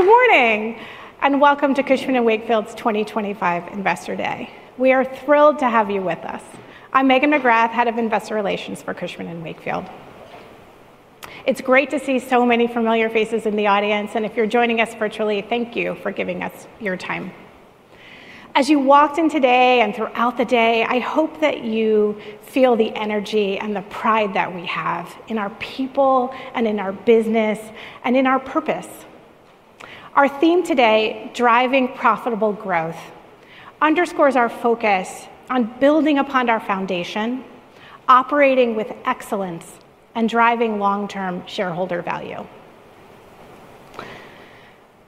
Good morning and welcome to Cushman & Wakefield's 2025 Investor Day. We are thrilled to have you with us. I'm Megan McGrath, Head of Investor Relations for Cushman & Wakefield. It's great to see so many familiar faces in the audience, and if you're joining us virtually, thank you for giving us your time. As you walked in today and throughout the day, I hope that you feel the energy and the pride that we have in our people, and in our business, and in our purpose. Our theme today, "Driving Profitable Growth," underscores our focus on building upon our foundation, operating with excellence, and driving long-term shareholder value.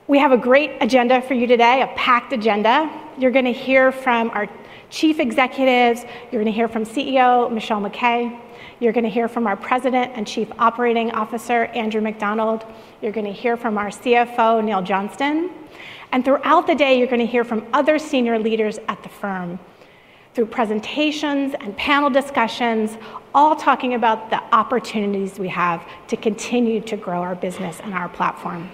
We have a great agenda for you today, a packed agenda. You're going to hear from our chief executives. You're going to hear from CEO Michelle MacKay. You're going to hear from our President and Chief Operating Officer, Andrew McDonald. You're going to hear from our CFO, Neil Johnston. And throughout the day, you're going to hear from other senior leaders at the firm through presentations and panel discussions, all talking about the opportunities we have to continue to grow our business and our platform.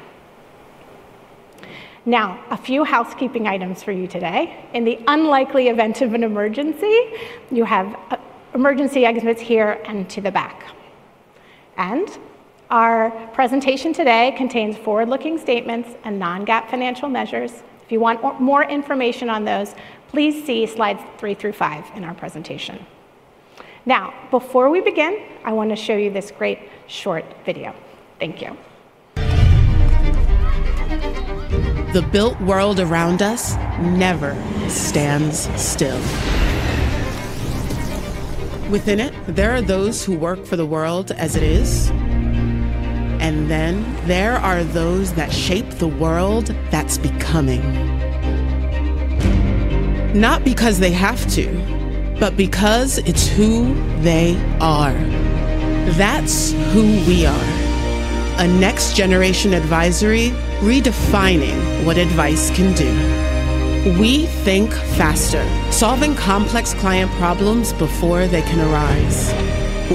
Now, a few housekeeping items for you today. In the unlikely event of an emergency, you have emergency exits here and to the back. And our presentation today contains forward-looking statements and Non-GAAP financial measures. If you want more information on those, please see slides three through five in our presentation. Now, before we begin, I want to show you this great short video. Thank you. The built world around us never stands still. Within it, there are those who work for the world as it is, and then there are those that shape the world that's becoming. Not because they have to, but because it's who they are. That's who we are. A next-generation advisory redefining what advice can do. We think faster, solving complex client problems before they can arise.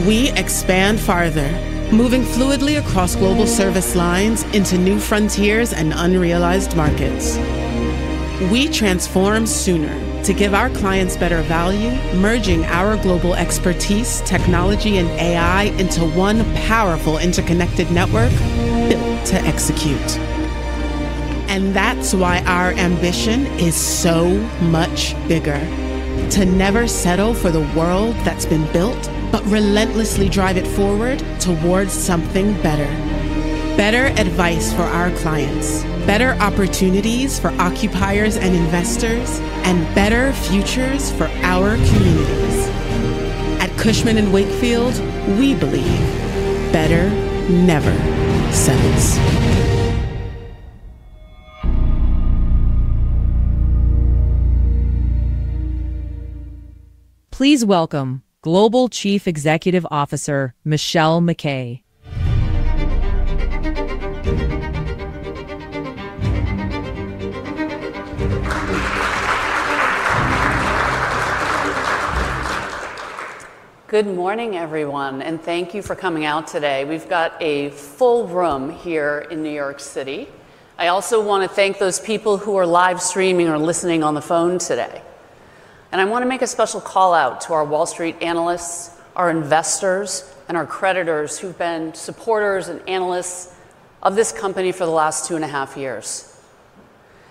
We expand farther, moving fluidly across global service lines into new frontiers and unrealized markets. We transform sooner to give our clients better value, merging our global expertise, technology, and AI into one powerful interconnected network built to execute. And that's why our ambition is so much bigger: to never settle for the world that's been built, but relentlessly drive it forward towards something better. Better advice for our clients, better opportunities for occupiers and investors, and better futures for our communities. At Cushman & Wakefield, we believe better never settles. Please welcome Global Chief Executive Officer Michelle MacKay. Good morning, everyone, and thank you for coming out today. We've got a full room here in New York City. I also want to thank those people who are live streaming or listening on the phone today. And I want to make a special call out to our Wall Street analysts, our investors, and our creditors who've been supporters and analysts of this company for the last two and a half years.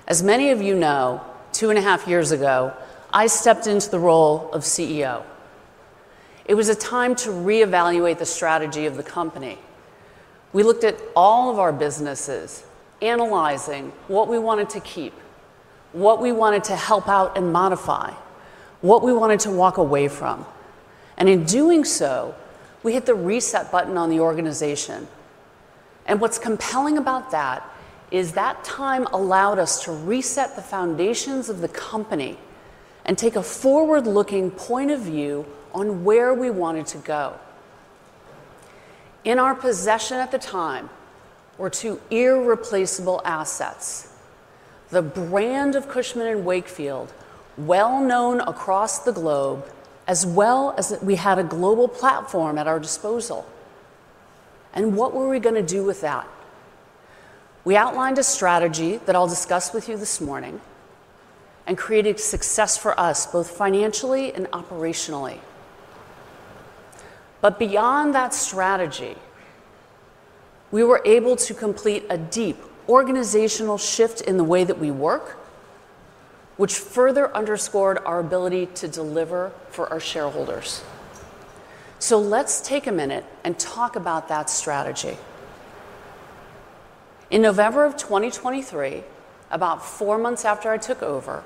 As many of you know, two and a half years ago, I stepped into the role of CEO. It was a time to reevaluate the strategy of the company. We looked at all of our businesses, analyzing what we wanted to keep, what we wanted to help out and modify, what we wanted to walk away from. And in doing so, we hit the reset button on the organization. What's compelling about that is that time allowed us to reset the foundations of the company and take a forward-looking point of view on where we wanted to go. In our possession at the time were two irreplaceable assets: the brand of Cushman & Wakefield, well known across the globe, as well as we had a global platform at our disposal. What were we going to do with that? We outlined a strategy that I'll discuss with you this morning and created success for us both financially and operationally. Beyond that strategy, we were able to complete a deep organizational shift in the way that we work, which further underscored our ability to deliver for our shareholders. Let's take a minute and talk about that strategy. In November of 2023, about four months after I took over,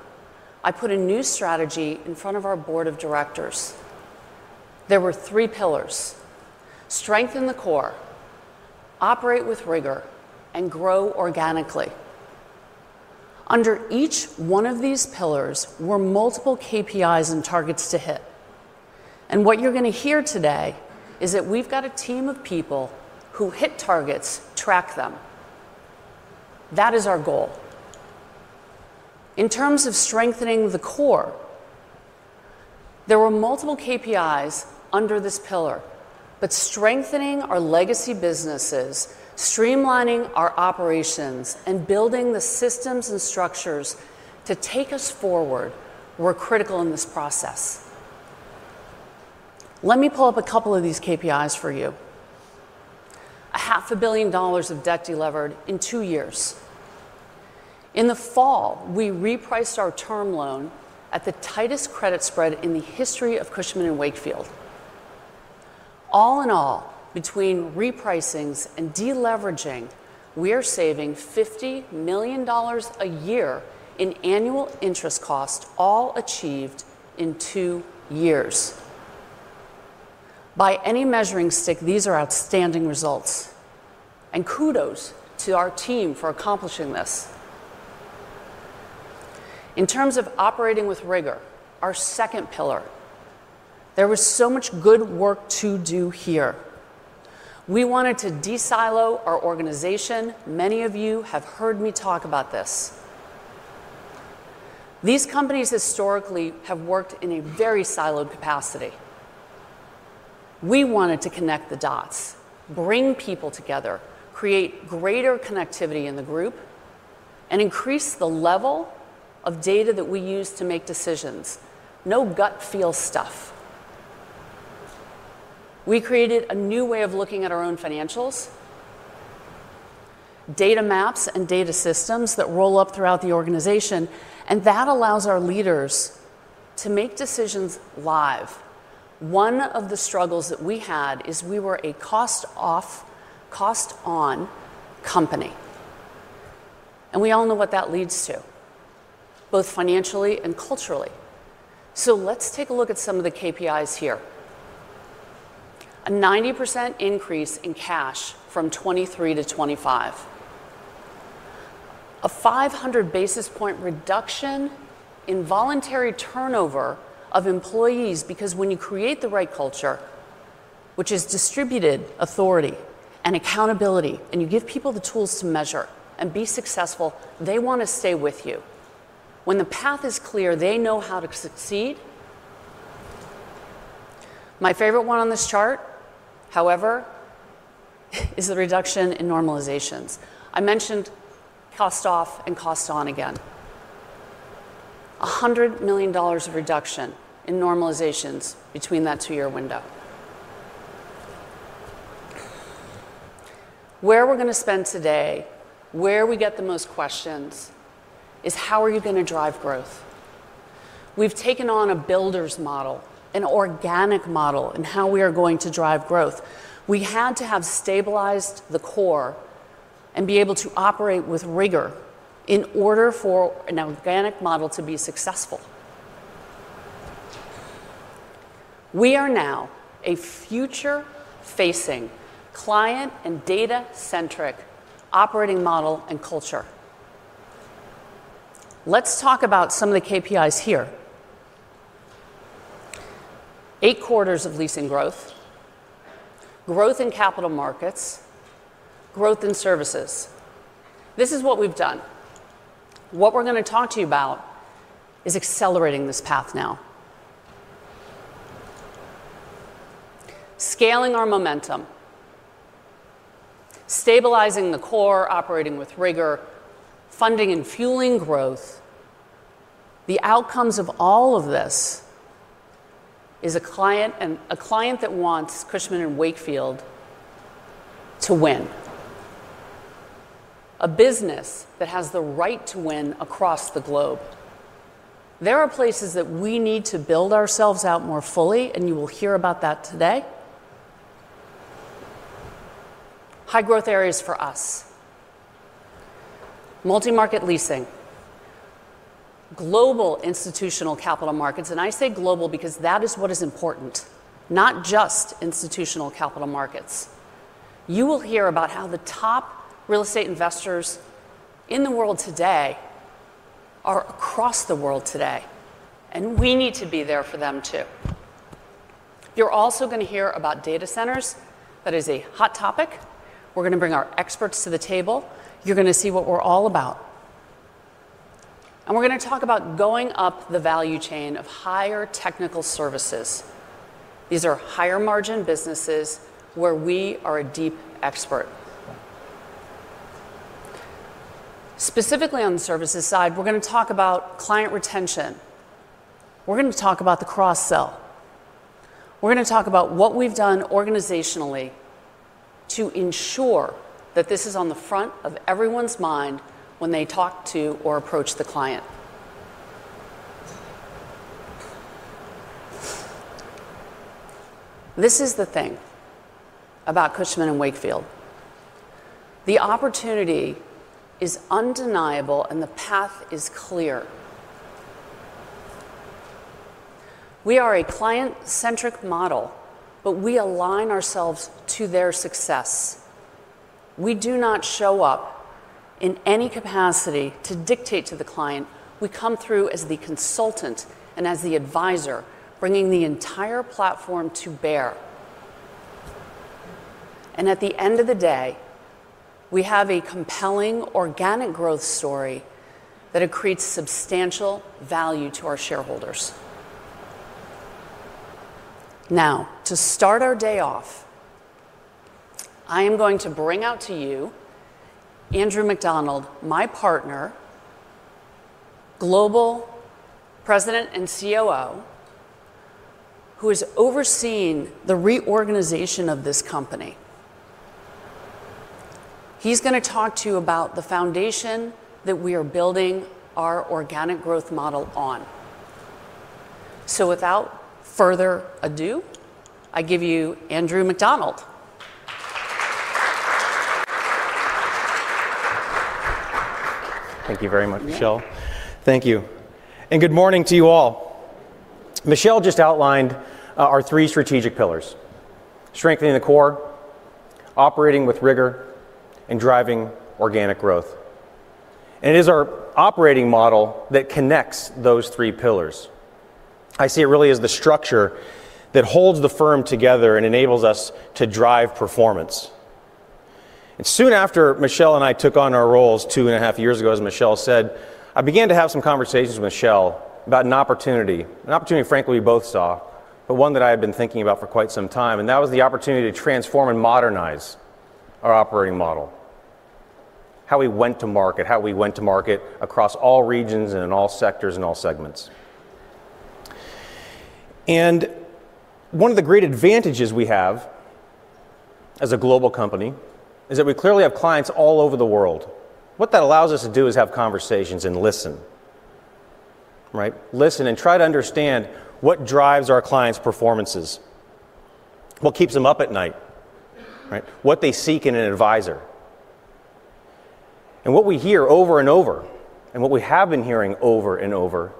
I put a new strategy in front of our board of directors. There were three pillars: strengthen the core, operate with rigor, and grow organically. Under each one of these pillars were multiple KPIs and targets to hit. And what you're going to hear today is that we've got a team of people who hit targets, track them. That is our goal. In terms of strengthening the core, there were multiple KPIs under this pillar, but strengthening our legacy businesses, streamlining our operations, and building the systems and structures to take us forward were critical in this process. Let me pull up a couple of these KPIs for you. $500 million of debt delivered in two years. In the fall, we repriced our term loan at the tightest credit spread in the history of Cushman & Wakefield. All in all, between repricings and deleveraging, we are saving $50 million a year in annual interest cost, all achieved in two years. By any measuring stick, these are outstanding results. And kudos to our team for accomplishing this. In terms of operating with rigor, our second pillar, there was so much good work to do here. We wanted to de-silo our organization. Many of you have heard me talk about this. These companies historically have worked in a very siloed capacity. We wanted to connect the dots, bring people together, create greater connectivity in the group, and increase the level of data that we use to make decisions. No gut feel stuff. We created a new way of looking at our own financials, data maps, and data systems that roll up throughout the organization. And that allows our leaders to make decisions live. One of the struggles that we had is we were a cost-off, cost-on company. And we all know what that leads to, both financially and culturally. So let's take a look at some of the KPIs here. A 90% increase in cash from 2023 to 2025. A 500 basis point reduction in voluntary turnover of employees because when you create the right culture, which is distributed authority and accountability, and you give people the tools to measure and be successful, they want to stay with you. When the path is clear, they know how to succeed. My favorite one on this chart, however, is the reduction in normalizations. I mentioned cost-off and cost-on again. $100 million of reduction in normalizations between that two-year window. Where we're going to spend today, where we get the most questions, is how are you going to drive growth? We've taken on a builders model, an organic model in how we are going to drive growth. We had to have stabilized the core and be able to operate with rigor in order for an organic model to be successful. We are now a future-facing, client and data-centric operating model and culture. Let's talk about some of the KPIs here. Eight quarters of leasing growth, growth in capital markets, growth in services. This is what we've done. What we're going to talk to you about is accelerating this path now. Scaling our momentum, stabilizing the core, operating with rigor, funding and fueling growth. The outcomes of all of this is a client that wants Cushman & Wakefield to win. A business that has the right to win across the globe. There are places that we need to build ourselves out more fully, and you will hear about that today. High growth areas for us. Multi-market leasing, global institutional capital markets. And I say global because that is what is important, not just institutional capital markets. You will hear about how the top real estate investors in the world today are across the world today. And we need to be there for them too. You're also going to hear about data centers. That is a hot topic. We're going to bring our experts to the table. You're going to see what we're all about. And we're going to talk about going up the value chain of higher technical services. These are higher margin businesses where we are a deep expert. Specifically on the services side, we're going to talk about client retention. We're going to talk about the cross-sell. We're going to talk about what we've done organizationally to ensure that this is on the front of everyone's mind when they talk to or approach the client. This is the thing about Cushman & Wakefield. The opportunity is undeniable, and the path is clear. We are a client-centric model, but we align ourselves to their success. We do not show up in any capacity to dictate to the client. We come through as the consultant and as the advisor, bringing the entire platform to bear. And at the end of the day, we have a compelling organic growth story that accretes substantial value to our shareholders. Now, to start our day off, I am going to bring out to you Andrew McDonald, my partner, Global President and COO, who has overseen the reorganization of this company. He's going to talk to you about the foundation that we are building our organic growth model on. So without further ado, I give you Andrew McDonald. Thank you very much, Michelle. Thank you. And good morning to you all. Michelle just outlined our three strategic pillars: strengthening the core, operating with rigor, and driving organic growth. And it is our operating model that connects those three pillars. I see it really as the structure that holds the firm together and enables us to drive performance. And soon after Michelle and I took on our roles 2.5 years ago, as Michelle said, I began to have some conversations with Michelle about an opportunity. An opportunity, frankly, we both saw, but one that I had been thinking about for quite some time. And that was the opportunity to transform and modernize our operating model. How we went to market, how we went to market across all regions and in all sectors and all segments. And one of the great advantages we have as a global company is that we clearly have clients all over the world. What that allows us to do is have conversations and listen, right? Listen and try to understand what drives our clients' performances, what keeps them up at night, right? What they seek in an advisor. And what we hear over and over, and what we have been hearing over and over,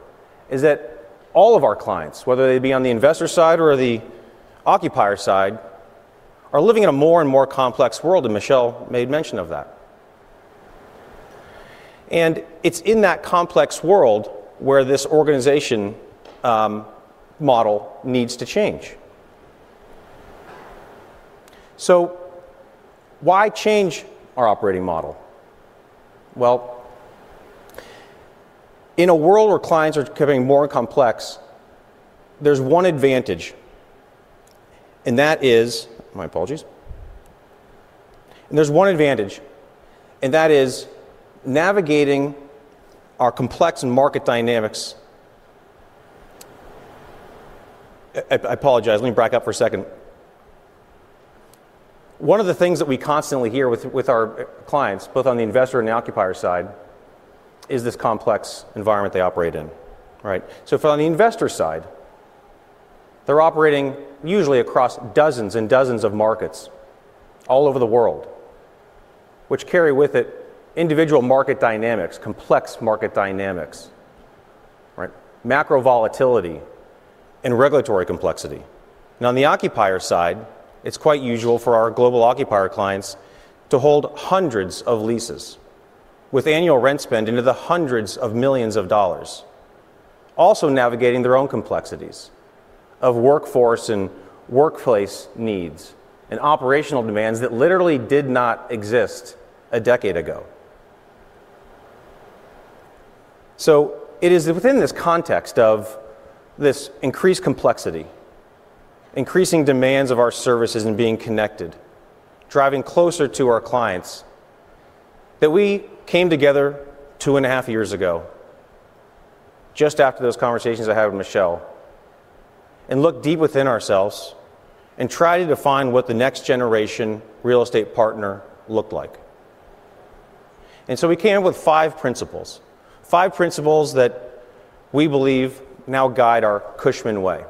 is that all of our clients, whether they be on the investor side or the occupier side, are living in a more and more complex world. And Michelle made mention of that. And it's in that complex world where this organization model needs to change. So why change our operating model? Well, in a world where clients are becoming more complex, there's one advantage, and that is, my apologies. There's one advantage, and that is navigating our complex market dynamics. I apologize. Let me back up for a second. One of the things that we constantly hear with our clients, both on the investor and the occupier side, is this complex environment they operate in, right? So if on the investor side, they're operating usually across dozens and dozens of markets all over the world, which carry with it individual market dynamics, complex market dynamics, right? Macro volatility and regulatory complexity. Now, on the occupier side, it's quite usual for our global occupier clients to hold hundreds of leases with annual rent spend into the hundreds of millions of dollars. Also navigating their own complexities of workforce and workplace needs and operational demands that literally did not exist a decade ago. So it is within this context of this increased complexity, increasing demands of our services and being connected, driving closer to our clients that we came together two and a half years ago, just after those conversations I had with Michelle, and looked deep within ourselves and tried to define what the next generation real estate partner looked like. And so we came up with five principles. Five principles that we believe now guide our Cushman way.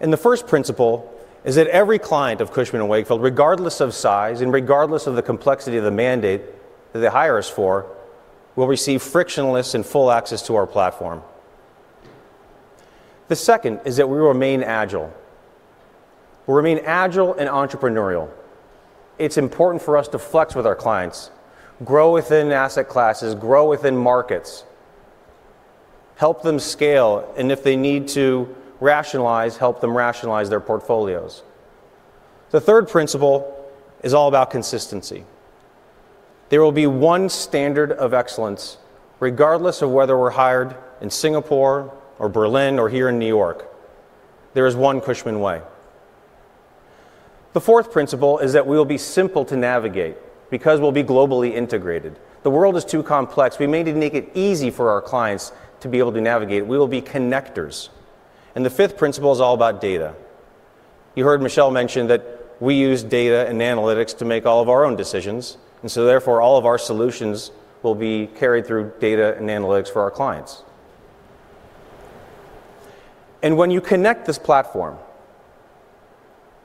And the first principle is that every client of Cushman & Wakefield, regardless of size and regardless of the complexity of the mandate that they hire us for, will receive frictionless and full access to our platform. The second is that we remain agile. We remain agile and entrepreneurial. It's important for us to flex with our clients, grow within asset classes, grow within markets, help them scale, and if they need to rationalize, help them rationalize their portfolios. The third principle is all about consistency. There will be one standard of excellence, regardless of whether we're hired in Singapore or Berlin or here in New York. There is one Cushman way. The fourth principle is that we will be simple to navigate because we'll be globally integrated. The world is too complex. We may need to make it easy for our clients to be able to navigate. We will be connectors, and the fifth principle is all about data. You heard Michelle mention that we use data and analytics to make all of our own decisions, and so therefore, all of our solutions will be carried through data and analytics for our clients. And when you connect this platform,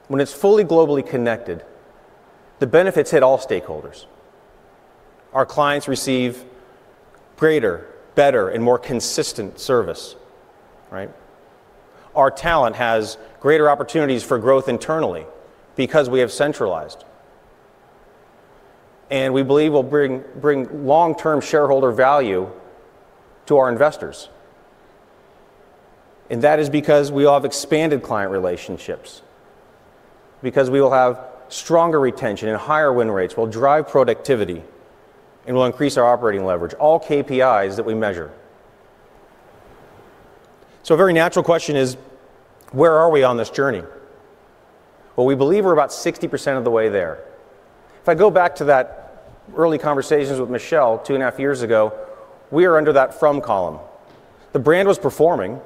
when it's fully globally connected, the benefits hit all stakeholders. Our clients receive greater, better, and more consistent service, right? Our talent has greater opportunities for growth internally because we have centralized. And we believe we'll bring long-term shareholder value to our investors. And that is because we will have expanded client relationships, because we will have stronger retention and higher win rates, will drive productivity, and will increase our operating leverage. All KPIs that we measure. So a very natural question is, where are we on this journey? Well, we believe we're about 60% of the way there. If I go back to that early conversations with Michelle two and a half years ago, we are under that from column. The brand was performing.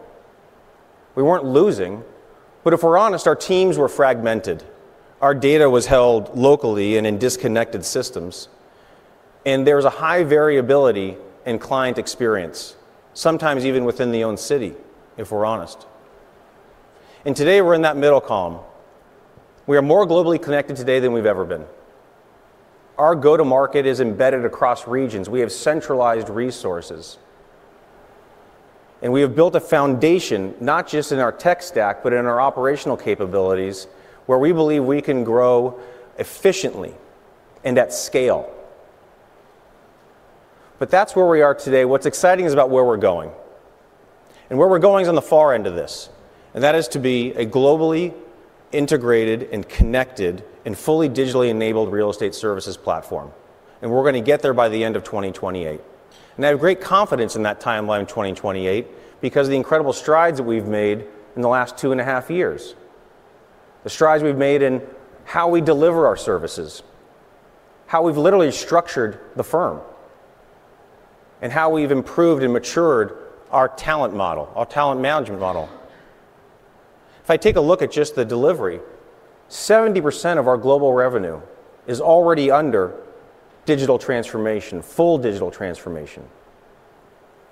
We weren't losing. But if we're honest, our teams were fragmented. Our data was held locally and in disconnected systems. And there was a high variability in client experience, sometimes even within the own city, if we're honest. And today, we're in that middle column. We are more globally connected today than we've ever been. Our go-to-market is embedded across regions. We have centralized resources. And we have built a foundation, not just in our tech stack, but in our operational capabilities, where we believe we can grow efficiently and at scale. But that's where we are today. What's exciting is about where we're going. And where we're going is on the far end of this. And that is to be a globally integrated and connected and fully digitally enabled real estate services platform. And we're going to get there by the end of 2028. And I have great confidence in that timeline in 2028 because of the incredible strides that we've made in the last two and a half years. The strides we've made in how we deliver our services, how we've literally structured the firm, and how we've improved and matured our talent model, our talent management model. If I take a look at just the delivery, 70% of our global revenue is already under digital transformation, full digital transformation.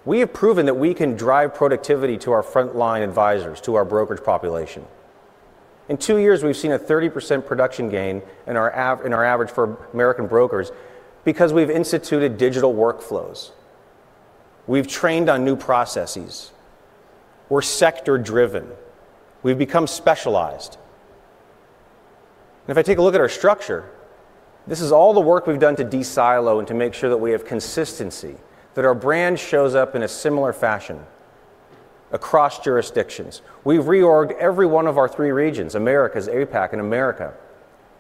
We have proven that we can drive productivity to our frontline advisors, to our brokerage population. In two years, we've seen a 30% production gain in our average for American brokers because we've instituted digital workflows. We've trained on new processes. We're sector-driven. We've become specialized. If I take a look at our structure, this is all the work we've done to de-silo and to make sure that we have consistency, that our brand shows up in a similar fashion across jurisdictions. We've reorged every one of our three regions, Americas, APAC, and EMEA,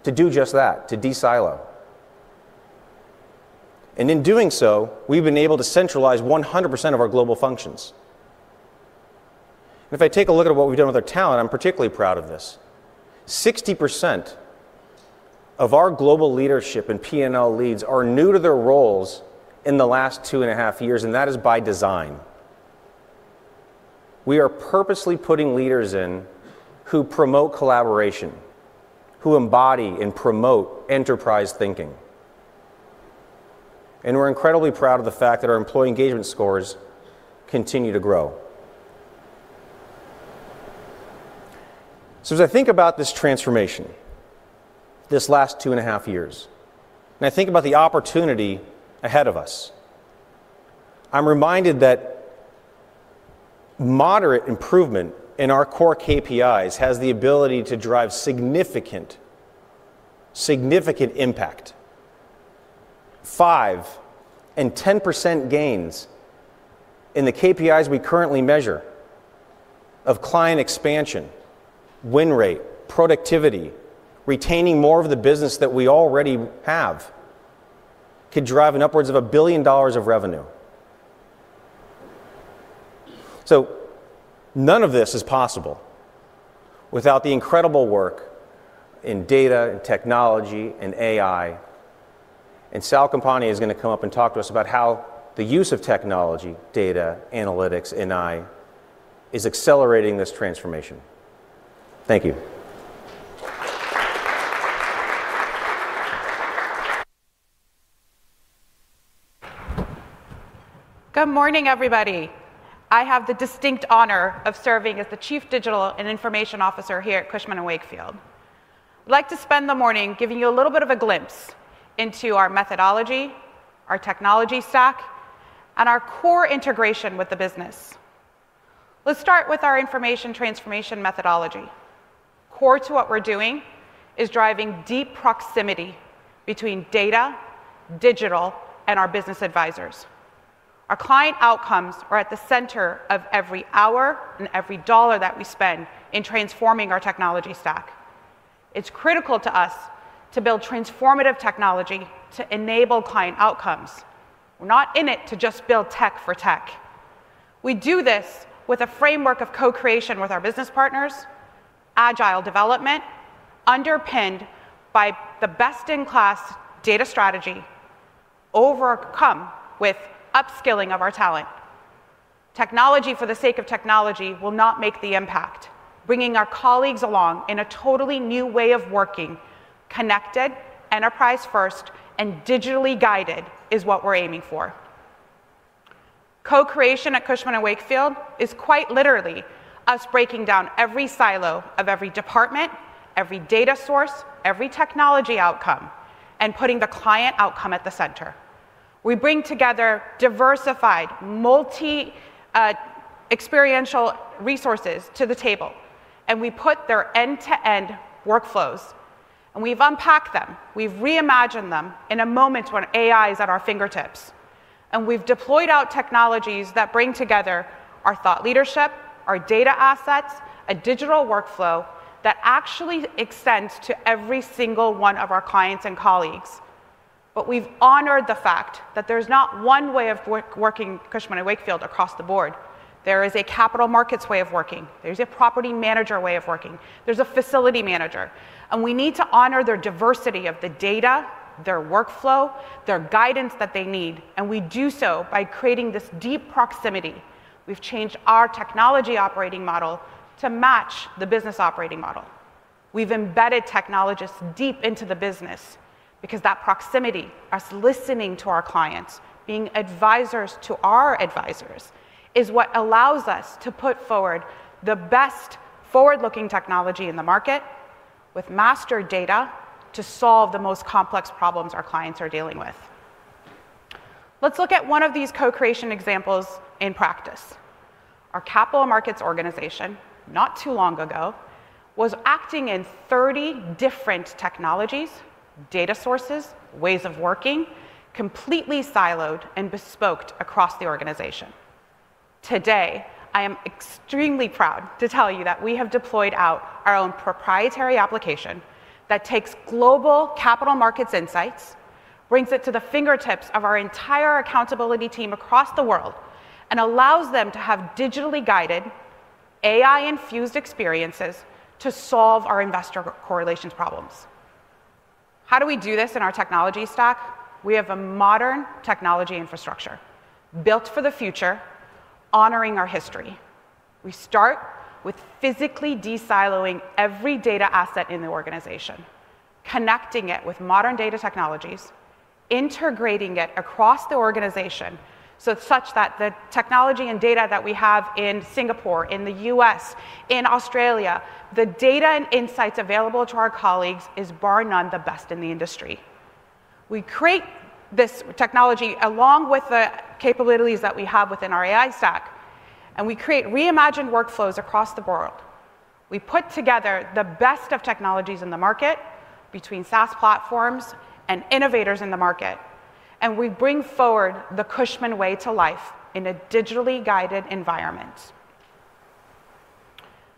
to do just that, to de-silo. In doing so, we've been able to centralize 100% of our global functions. If I take a look at what we've done with our talent, I'm particularly proud of this. 60% of our global leadership and P&L leads are new to their roles in the last two and a half years, and that is by design. We are purposely putting leaders in who promote collaboration, who embody and promote enterprise thinking. We're incredibly proud of the fact that our employee engagement scores continue to grow. So as I think about this transformation, this last two and a half years, and I think about the opportunity ahead of us, I'm reminded that moderate improvement in our core KPIs has the ability to drive significant, significant impact. Five and 10% gains in the KPIs we currently measure of client expansion, win rate, productivity, retaining more of the business that we already have could drive upward of $1 billion of revenue. So none of this is possible without the incredible work in data and technology and AI. And Sal Companieh is going to come up and talk to us about how the use of technology, data, analytics, and AI is accelerating this transformation. Thank you. Good morning, everybody. I have the distinct honor of serving as the Chief Digital and Information Officer here at Cushman & Wakefield. I'd like to spend the morning giving you a little bit of a glimpse into our methodology, our technology stack, and our core integration with the business. Let's start with our information transformation methodology. Core to what we're doing is driving deep proximity between data, digital, and our business advisors. Our client outcomes are at the center of every hour and every dollar that we spend in transforming our technology stack. It's critical to us to build transformative technology to enable client outcomes. We're not in it to just build tech for tech. We do this with a framework of co-creation with our business partners, agile development underpinned by the best-in-class data strategy, overcome with upskilling of our talent. Technology for the sake of technology will not make the impact. Bringing our colleagues along in a totally new way of working, connected, enterprise-first, and digitally guided is what we're aiming for. Co-creation at Cushman & Wakefield is quite literally us breaking down every silo of every department, every data source, every technology outcome, and putting the client outcome at the center. We bring together diversified, multi-experiential resources to the table, and we put their end-to-end workflows, and we've unpacked them. We've reimagined them in a moment when AI is at our fingertips, and we've deployed our technologies that bring together our thought leadership, our data assets, a digital workflow that actually extends to every single one of our clients and colleagues, but we've honored the fact that there's not one way of working Cushman & Wakefield across the board. There is a capital markets way of working. There's a property manager way of working. There's a facility manager. And we need to honor their diversity of the data, their workflow, their guidance that they need. And we do so by creating this deep proximity. We've changed our technology operating model to match the business operating model. We've embedded technologists deep into the business because that proximity, us listening to our clients, being advisors to our advisors, is what allows us to put forward the best forward-looking technology in the market with master data to solve the most complex problems our clients are dealing with. Let's look at one of these co-creation examples in practice. Our capital markets organization, not too long ago, was acting in 30 different technologies, data sources, ways of working, completely siloed and bespoke across the organization. Today, I am extremely proud to tell you that we have deployed out our own proprietary application that takes global capital markets insights, brings it to the fingertips of our entire accountability team across the world, and allows them to have digitally guided, AI-infused experiences to solve our investor correlations problems. How do we do this in our technology stack? We have a modern technology infrastructure built for the future, honoring our history. We start with physically de-siloing every data asset in the organization, connecting it with modern data technologies, integrating it across the organization such that the technology and data that we have in Singapore, in the U.S., in Australia, the data and insights available to our colleagues is, bar none, the best in the industry. We create this technology along with the capabilities that we have within our AI stack, and we create reimagined workflows across the board. We put together the best of technologies in the market between SaaS platforms and innovators in the market. We bring forward the Cushman way to life in a digitally guided environment.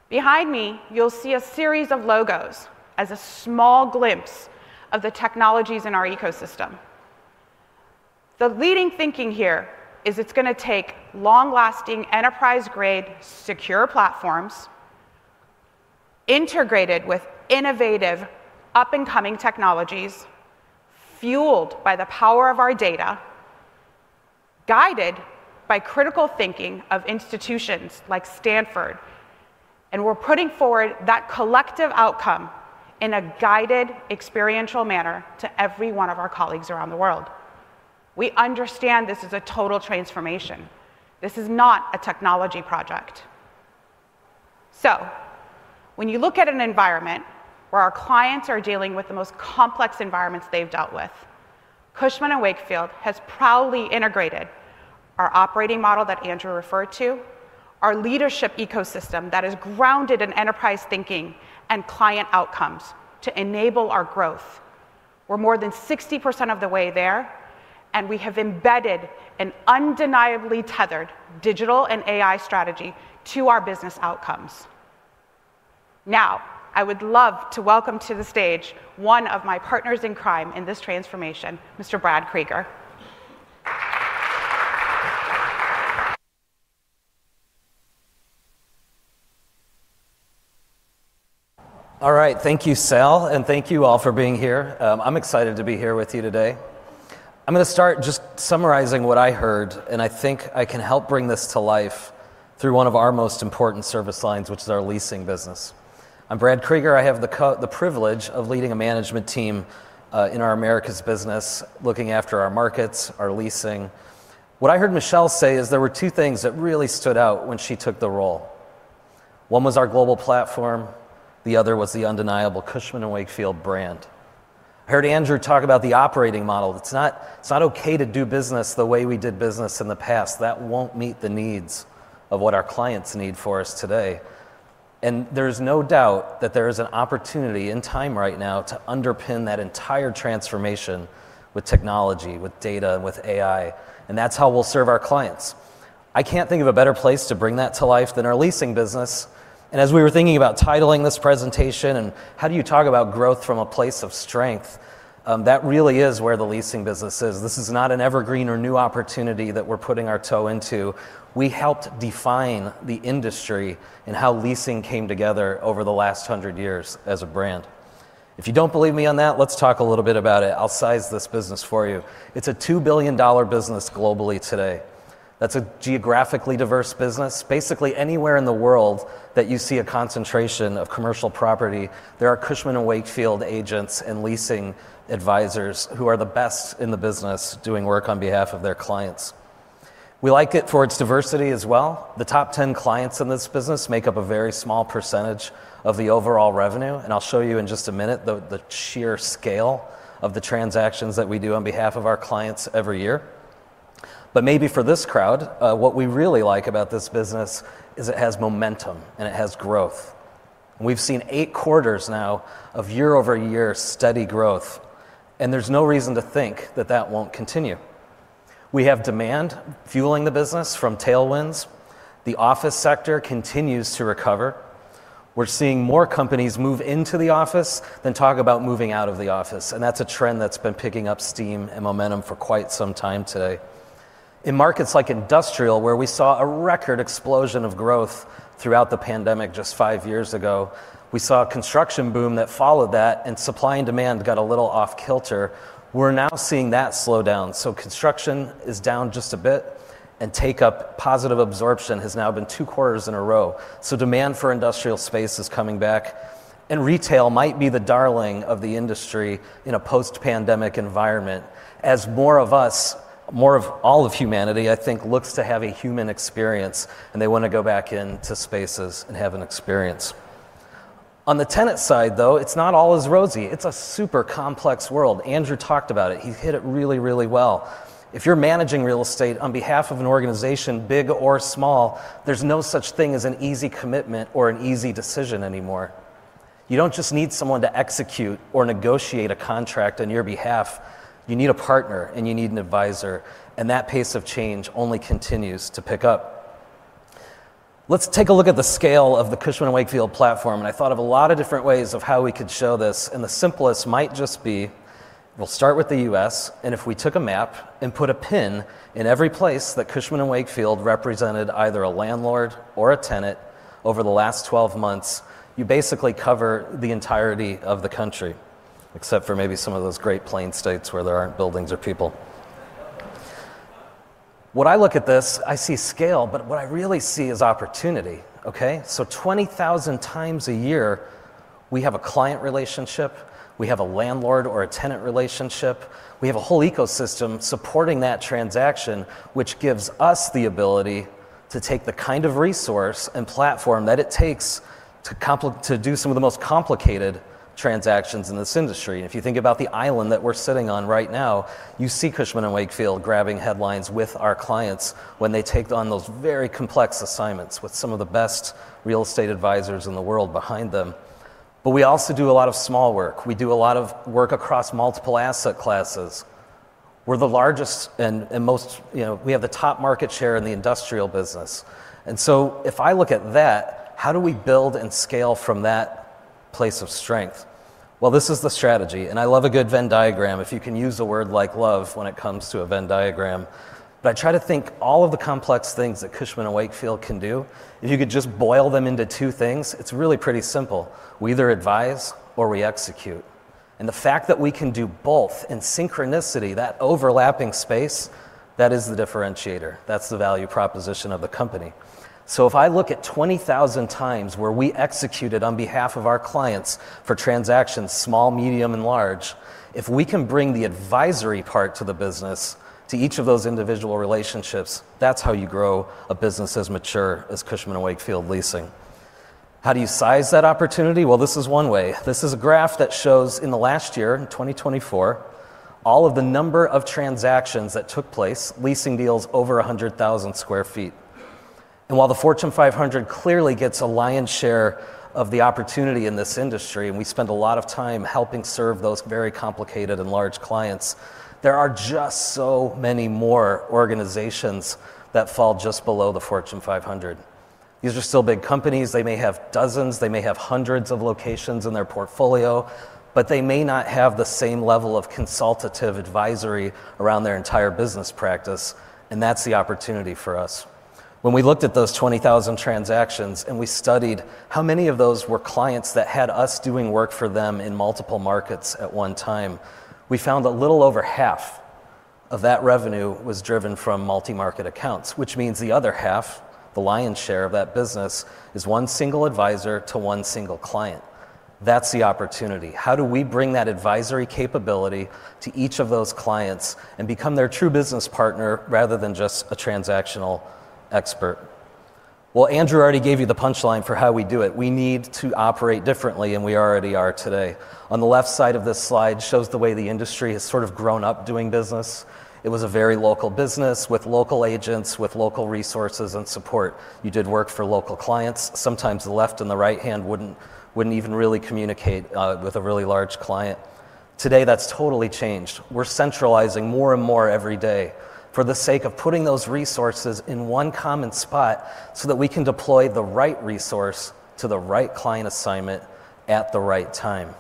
Behind me, you'll see a series of logos as a small glimpse of the technologies in our ecosystem. The leading thinking here is it's going to take long-lasting, enterprise-grade, secure platforms integrated with innovative, up-and-coming technologies fueled by the power of our data, guided by critical thinking of institutions like Stanford. We're putting forward that collective outcome in a guided, experiential manner to every one of our colleagues around the world. We understand this is a total transformation. This is not a technology project. So when you look at an environment where our clients are dealing with the most complex environments they've dealt with, Cushman & Wakefield has proudly integrated our operating model that Andrew referred to, our leadership ecosystem that is grounded in enterprise thinking and client outcomes to enable our growth. We're more than 60% of the way there, and we have embedded an undeniably tethered digital and AI strategy to our business outcomes. Now, I would love to welcome to the stage one of my partners in crime in this transformation, Mr. Brad Kreiger. All right. Thank you, Sal, and thank you all for being here. I'm excited to be here with you today. I'm going to start just summarizing what I heard, and I think I can help bring this to life through one of our most important service lines, which is our leasing business. I'm Brad Kreiger. I have the privilege of leading a management team in our Americas business, looking after our markets, our leasing. What I heard Michelle say is there were two things that really stood out when she took the role. One was our global platform. The other was the undeniable Cushman & Wakefield brand. I heard Andrew talk about the operating model. It's not okay to do business the way we did business in the past. That won't meet the needs of what our clients need for us today. There is no doubt that there is an opportunity in time right now to underpin that entire transformation with technology, with data, and with AI. That's how we'll serve our clients. I can't think of a better place to bring that to life than our leasing business. As we were thinking about titling this presentation and how do you talk about growth from a place of strength, that really is where the leasing business is. This is not an evergreen or new opportunity that we're putting our toe into. We helped define the industry and how leasing came together over the last 100 years as a brand. If you don't believe me on that, let's talk a little bit about it. I'll size this business for you. It's a $2 billion business globally today. That's a geographically diverse business. Basically, anywhere in the world that you see a concentration of commercial property, there are Cushman & Wakefield agents and leasing advisors who are the best in the business doing work on behalf of their clients. We like it for its diversity as well. The top 10 clients in this business make up a very small percentage of the overall revenue. And I'll show you in just a minute the sheer scale of the transactions that we do on behalf of our clients every year. But maybe for this crowd, what we really like about this business is it has momentum and it has growth. We've seen eight quarters now of year-over-year steady growth, and there's no reason to think that that won't continue. We have demand fueling the business from tailwinds. The office sector continues to recover. We're seeing more companies move into the office than talk about moving out of the office, and that's a trend that's been picking up steam and momentum for quite some time today. In markets like industrial, where we saw a record explosion of growth throughout the pandemic just five years ago, we saw a construction boom that followed that, and supply and demand got a little off-kilter. We're now seeing that slow down, so construction is down just a bit, and take-up, positive absorption, has now been two quarters in a row, so demand for industrial space is coming back, and retail might be the darling of the industry in a post-pandemic environment as more of us, more of all of humanity, I think, looks to have a human experience, and they want to go back into spaces and have an experience. On the tenant side, though, it's not all as rosy. It's a super complex world. Andrew talked about it. He hit it really, really well. If you're managing real estate on behalf of an organization, big or small, there's no such thing as an easy commitment or an easy decision anymore. You don't just need someone to execute or negotiate a contract on your behalf. You need a partner, and you need an advisor. And that pace of change only continues to pick up. Let's take a look at the scale of the Cushman & Wakefield platform. And I thought of a lot of different ways of how we could show this. And the simplest might just be we'll start with the U.S.. If we took a map and put a pin in every place that Cushman & Wakefield represented either a landlord or a tenant over the last 12 months, you basically cover the entirety of the country, except for maybe some of those Great Plains states where there aren't buildings or people. When I look at this, I see scale, but what I really see is opportunity. Okay? So 20,000x a year, we have a client relationship. We have a landlord or a tenant relationship. We have a whole ecosystem supporting that transaction, which gives us the ability to take the kind of resource and platform that it takes to do some of the most complicated transactions in this industry. And if you think about the island that we're sitting on right now, you see Cushman & Wakefield grabbing headlines with our clients when they take on those very complex assignments with some of the best real estate advisors in the world behind them. But we also do a lot of small work. We do a lot of work across multiple asset classes. We're the largest and most we have the top market share in the industrial business. And so if I look at that, how do we build and scale from that place of strength? Well, this is the strategy. And I love a good Venn diagram. If you can use the word like love when it comes to a Venn diagram. But I try to think all of the complex things that Cushman & Wakefield can do, if you could just boil them into two things, it's really pretty simple. We either advise or we execute. And the fact that we can do both in synchronicity, that overlapping space, that is the differentiator. That's the value proposition of the company. So if I look at 20,000x where we executed on behalf of our clients for transactions, small, medium, and large, if we can bring the advisory part to the business, to each of those individual relationships, that's how you grow a business as mature as Cushman & Wakefield leasing. How do you size that opportunity? Well, this is one way. This is a graph that shows, in the last year, in 2024, all of the number of transactions that took place, leasing deals over 100,000 sq ft. While the Fortune 500 clearly gets a lion's share of the opportunity in this industry, and we spend a lot of time helping serve those very complicated and large clients, there are just so many more organizations that fall just below the Fortune 500. These are still big companies. They may have dozens. They may have hundreds of locations in their portfolio, but they may not have the same level of consultative advisory around their entire business practice. That's the opportunity for us. When we looked at those 20,000 transactions and we studied how many of those were clients that had us doing work for them in multiple markets at one time, we found a little over half of that revenue was driven from multi-market accounts, which means the other half, the lion's share of that business, is one single advisor to one single client. That's the opportunity. How do we bring that advisory capability to each of those clients and become their true business partner rather than just a transactional expert? Andrew already gave you the punchline for how we do it. We need to operate differently, and we already are today. On the left side of this slide shows the way the industry has sort of grown up doing business. It was a very local business with local agents, with local resources and support. You did work for local clients. Sometimes the left and the right hand wouldn't even really communicate with a really large client. Today, that's totally changed. We're centralizing more and more every day for the sake of putting those resources in one common spot so that we can deploy the right resource to the right client assignment at the right time.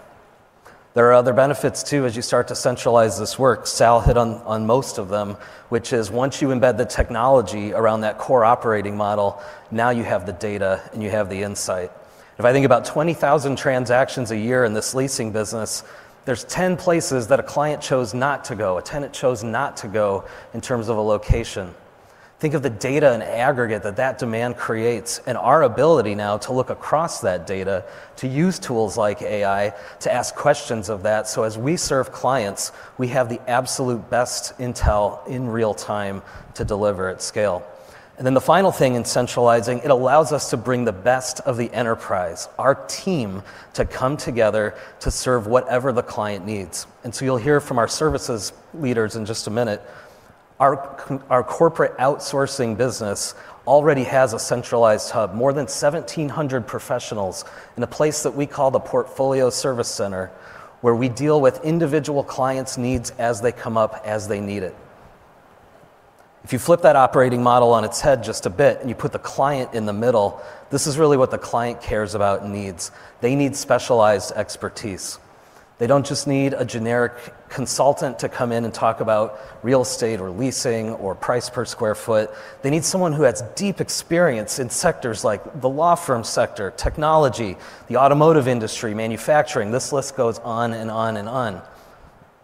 There are other benefits too as you start to centralize this work. Sal hit on most of them, which is once you embed the technology around that core operating model, now you have the data and you have the insight. If I think about 20,000 transactions a year in this leasing business, there's 10 places that a client chose not to go, a tenant chose not to go in terms of a location. Think of the data and aggregate that that demand creates and our ability now to look across that data to use tools like AI to ask questions of that. So as we serve clients, we have the absolute best intel in real time to deliver at scale. And then the final thing in centralizing, it allows us to bring the best of the enterprise, our team, to come together to serve whatever the client needs. You'll hear from our services leaders in just a minute. Our corporate outsourcing business already has a centralized hub, more than 1,700 professionals in a place that we call the portfolio service center, where we deal with individual clients' needs as they come up, as they need it. If you flip that operating model on its head just a bit and you put the client in the middle, this is really what the client cares about and needs. They need specialized expertise. They don't just need a generic consultant to come in and talk about real estate or leasing or price per sq ft. They need someone who has deep experience in sectors like the law firm sector, technology, the automotive industry, manufacturing. This list goes on and on and on.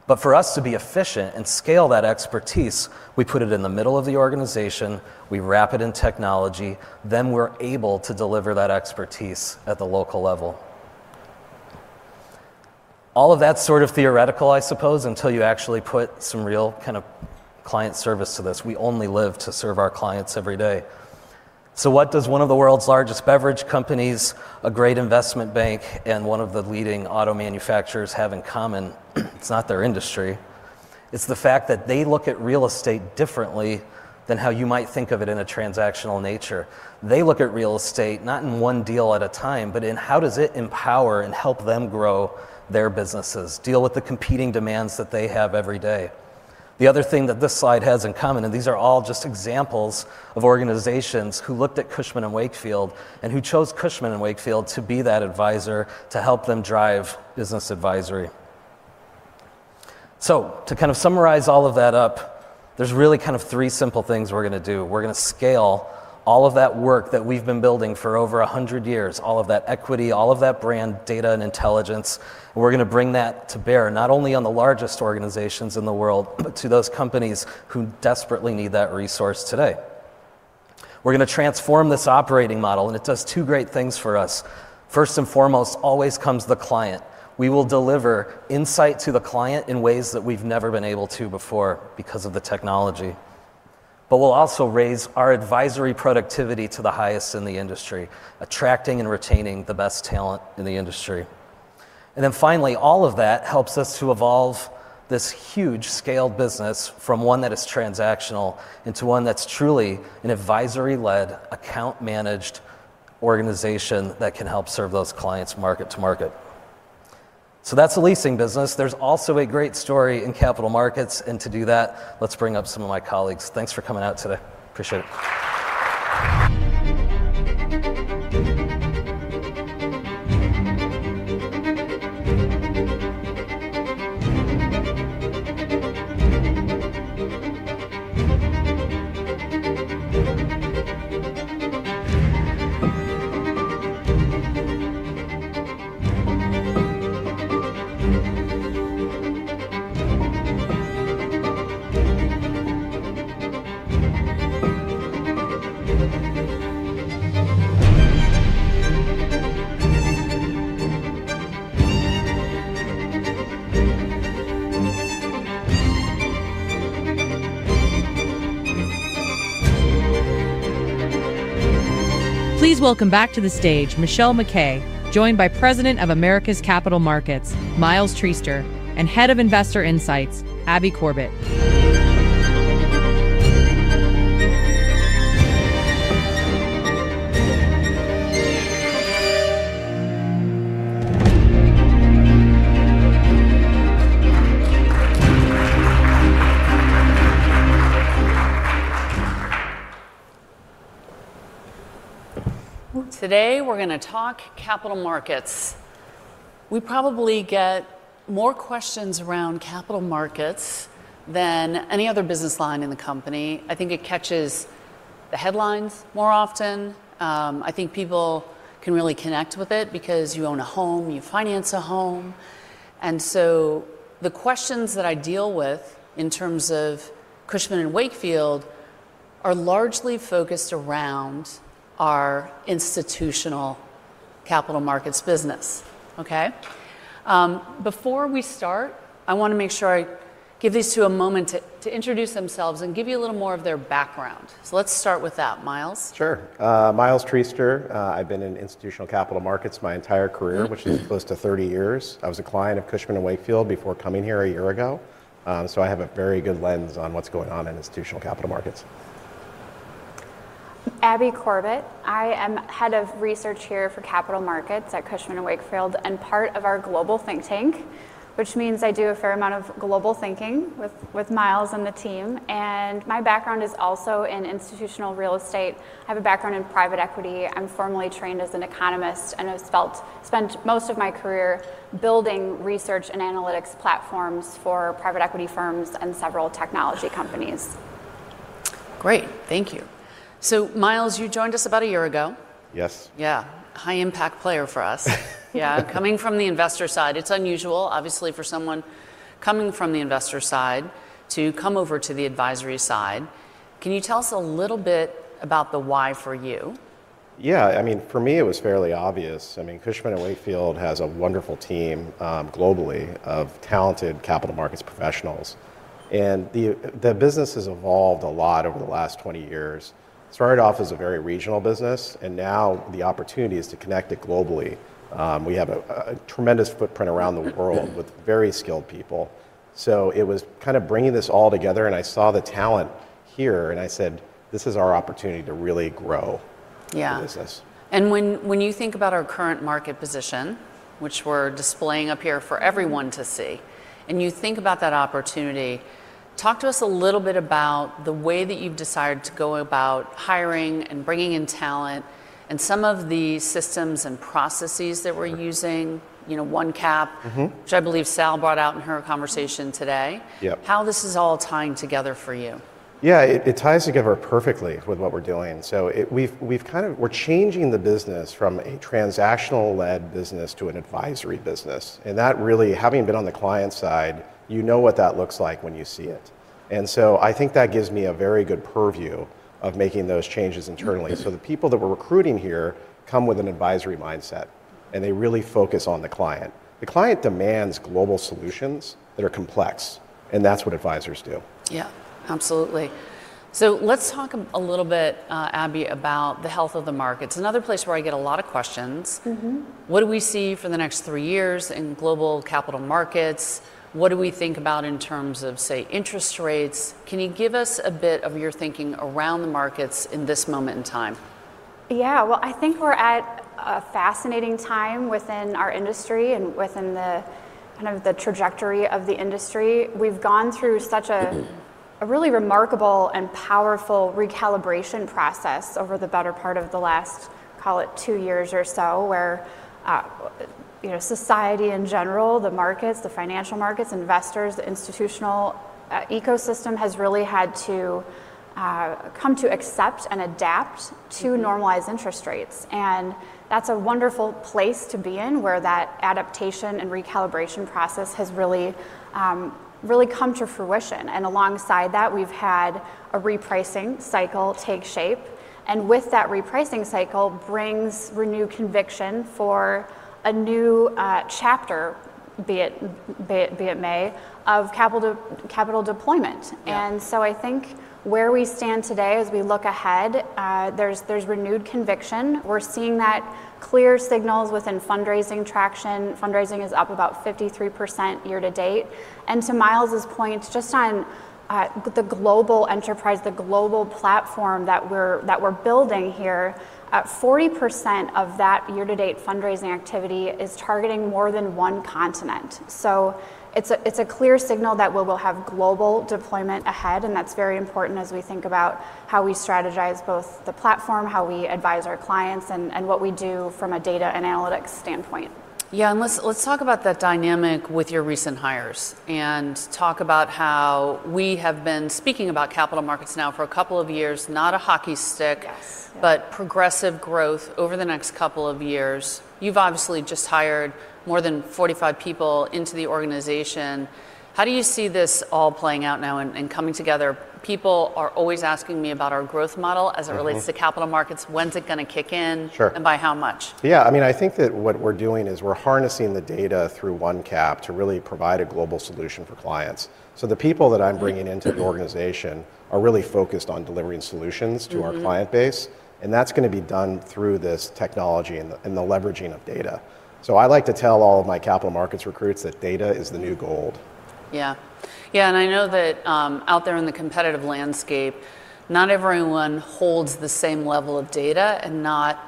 But for us to be efficient and scale that expertise, we put it in the middle of the organization. We wrap it in technology. Then we're able to deliver that expertise at the local level. All of that's sort of theoretical, I suppose, until you actually put some real kind of client service to this. We only live to serve our clients every day. So what does one of the world's largest beverage companies, a great investment bank, and one of the leading auto manufacturers have in common? It's not their industry. It's the fact that they look at real estate differently than how you might think of it in a transactional nature. They look at real estate not in one deal at a time, but in how does it empower and help them grow their businesses, deal with the competing demands that they have every day. The other thing that this slide has in common, and these are all just examples of organizations who looked at Cushman & Wakefield and who chose Cushman & Wakefield to be that advisor to help them drive business advisory. So to kind of summarize all of that up, there's really kind of three simple things we're going to do. We're going to scale all of that work that we've been building for over 100 years, all of that equity, all of that brand data and intelligence. We're going to bring that to bear not only on the largest organizations in the world, but to those companies who desperately need that resource today. We're going to transform this operating model, and it does two great things for us. First and foremost, always comes the client. We will deliver insight to the client in ways that we've never been able to before because of the technology. But we'll also raise our advisory productivity to the highest in the industry, attracting and retaining the best talent in the industry. And then finally, all of that helps us to evolve this huge scaled business from one that is transactional into one that's truly an advisory-led, account-managed organization that can help serve those clients market to market. So that's the leasing business. There's also a great story in capital markets. And to do that, let's bring up some of my colleagues. Thanks for coming out today. Appreciate it. Please welcome back to the stage Michelle MacKay, joined by President of Americas Capital Markets, Miles Treaster, and Head of Investor Insights, Abby Corbett. Today, we're going to talk capital markets. We probably get more questions around capital markets than any other business line in the company. I think it catches the headlines more often. I think people can really connect with it because you own a home, you finance a home. And so the questions that I deal with in terms of Cushman & Wakefield are largely focused around our institutional capital markets business. Okay? Before we start, I want to make sure I give these two a moment to introduce themselves and give you a little more of their background. So let's start with that, Miles. Sure. Miles Treaster. I've been in institutional capital markets my entire career, which is close to 30 years. I was a client of Cushman & Wakefield before coming here a year ago. So I have a very good lens on what's going on in institutional capital markets. Abby Corbett. I am Head of Research here for capital markets at Cushman & Wakefield and part of our global think tank, which means I do a fair amount of global thinking with Miles and the team. And my background is also in institutional real estate. I have a background in private equity. I'm formally trained as an economist and have spent most of my career building research and analytics platforms for private equity firms and several technology companies. Great. Thank you. So Miles, you joined us about a year ago. Yes. Yeah. High-impact player for us. Yeah. Coming from the investor side, it's unusual, obviously, for someone coming from the investor side to come over to the advisory side. Can you tell us a little bit about the why for you? Yeah. I mean, for me, it was fairly obvious. I mean, Cushman & Wakefield has a wonderful team globally of talented capital markets professionals, and the business has evolved a lot over the last 20 years. It started off as a very regional business, and now the opportunity is to connect it globally. We have a tremendous footprint around the world with very skilled people, so it was kind of bringing this all together, and I saw the talent here, and I said, "This is our opportunity to really grow the business.". Yeah, and when you think about our current market position, which we're displaying up here for everyone to see, and you think about that opportunity, talk to us a little bit about the way that you've decided to go about hiring and bringing in talent and some of the systems and processes that we're using, OneCap, which I believe Sal brought out in her conversation today. How is this all tying together for you? Yeah. It ties together perfectly with what we're doing. So we've kind of we're changing the business from a transactional-led business to an advisory business. And that really, having been on the client side, you know what that looks like when you see it. And so I think that gives me a very good purview of making those changes internally. So the people that we're recruiting here come with an advisory mindset, and they really focus on the client. The client demands global solutions that are complex, and that's what advisors do. Yeah. Absolutely. So let's talk a little bit, Abby, about the health of the markets. Another place where I get a lot of questions. What do we see for the next three years in global capital markets? What do we think about in terms of, say, interest rates? Can you give us a bit of your thinking around the markets in this moment in time? Yeah. Well, I think we're at a fascinating time within our industry and within the kind of the trajectory of the industry. We've gone through such a really remarkable and powerful recalibration process over the better part of the last, call it, two years or so, where society in general, the markets, the financial markets, investors, the institutional ecosystem has really had to come to accept and adapt to normalized interest rates. And that's a wonderful place to be in where that adaptation and recalibration process has really come to fruition. And alongside that, we've had a repricing cycle take shape. And with that repricing cycle brings renewed conviction for a new chapter, be it may, of capital deployment. And so I think where we stand today as we look ahead, there's renewed conviction. We're seeing that clear signals within fundraising traction. Fundraising is up about 53% year to date. And to Miles' point, just on the global enterprise, the global platform that we're building here, 40% of that year-to-date fundraising activity is targeting more than one continent. So it's a clear signal that we will have global deployment ahead, and that's very important as we think about how we strategize both the platform, how we advise our clients, and what we do from a data and analytics standpoint. Yeah. And let's talk about that dynamic with your recent hires and talk about how we have been speaking about capital markets now for a couple of years, not a hockey stick, but progressive growth over the next couple of years. You've obviously just hired more than 45 people into the organization. How do you see this all playing out now and coming together? People are always asking me about our growth model as it relates to capital markets. When's it going to kick in and by how much? Yeah. I mean, I think that what we're doing is we're harnessing the data through OneCap to really provide a global solution for clients. So the people that I'm bringing into the organization are really focused on delivering solutions to our client base, and that's going to be done through this technology and the leveraging of data. So I like to tell all of my capital markets recruits that data is the new gold. Yeah. Yeah. And I know that out there in the competitive landscape, not everyone holds the same level of data and not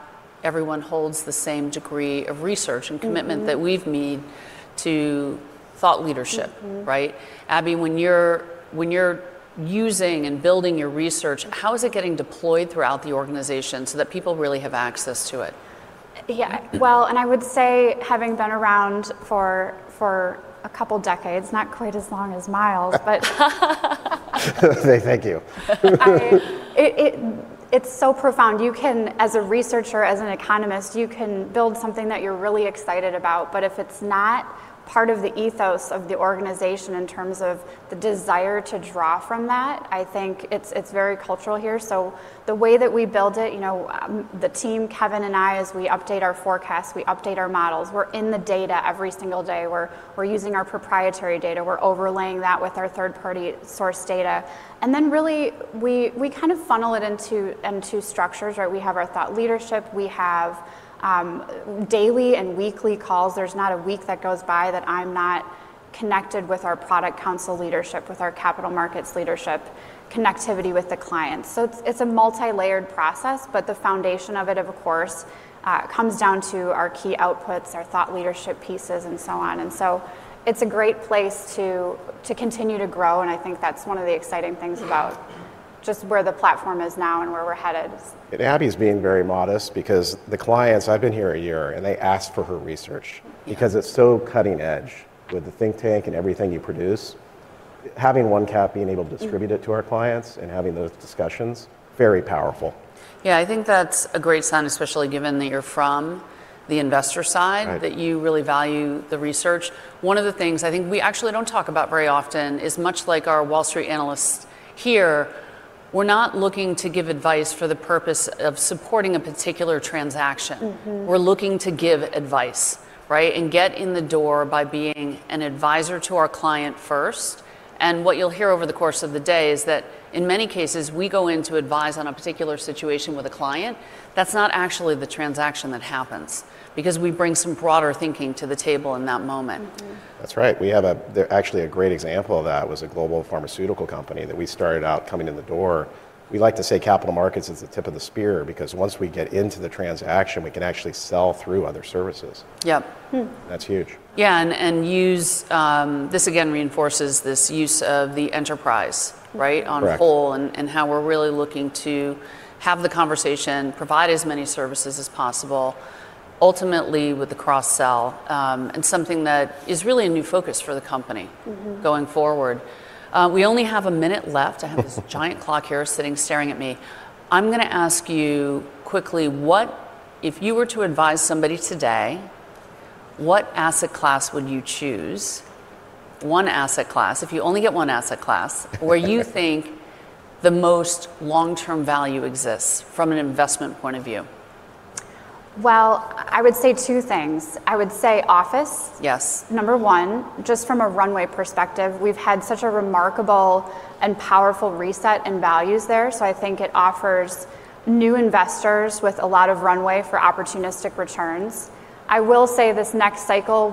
everyone holds the same degree of research and commitment that we've made to thought leadership, right? Abby, when you're using and building your research, how is it getting deployed throughout the organization so that people really have access to it? Yeah. Well, and I would say having been around for a couple of decades, not quite as long as Miles, but. Thank you. It's so profound. You can, as a researcher, as an economist, you can build something that you're really excited about, but if it's not part of the ethos of the organization in terms of the desire to draw from that, I think it's very cultural here. So the way that we build it, the team, Kevin and I, as we update our forecasts, we update our models. We're in the data every single day. We're using our proprietary data. We're overlaying that with our third-party source data, and then really, we kind of funnel it into structures, right? We have our thought leadership. We have daily and weekly calls. There's not a week that goes by that I'm not connected with our product council leadership, with our capital markets leadership, connectivity with the clients, so it's a multi-layered process, but the foundation of it, of course, comes down to our key outputs, our thought leadership pieces, and so on, and so it's a great place to continue to grow, and I think that's one of the exciting things about just where the platform is now and where we're headed. And Abby's being very modest because the clients, I've been here a year, and they asked for her research because it's so cutting edge with the think tank and everything you produce. Having OneCap being able to distribute it to our clients and having those discussions, very powerful. Yeah. I think that's a great sign, especially given that you're from the investor side, that you really value the research. One of the things I think we actually don't talk about very often is much like our Wall Street analysts here, we're not looking to give advice for the purpose of supporting a particular transaction. We're looking to give advice, right, and get in the door by being an advisor to our client first. And what you'll hear over the course of the day is that in many cases, we go in to advise on a particular situation with a client. That's not actually the transaction that happens because we bring some broader thinking to the table in that moment. That's right. We have actually a great example of that was a global pharmaceutical company that we started out coming in the door. We like to say capital markets is the tip of the spear because once we get into the transaction, we can actually sell through other services. Yep. That's huge. Yeah. And this again reinforces this use of the enterprise, right, on a whole and how we're really looking to have the conversation, provide as many services as possible, ultimately with the cross-sell, and something that is really a new focus for the company going forward. We only have a minute left. I have this giant clock here sitting staring at me. I'm going to ask you quickly, if you were to advise somebody today, what asset class would you choose? One asset class, if you only get one asset class, where you think the most long-term value exists from an investment point of view? Well, I would say two things. I would say office. Number one, just from a runway perspective, we've had such a remarkable and powerful reset in values there. So I think it offers new investors with a lot of runway for opportunistic returns. I will say this: next cycle,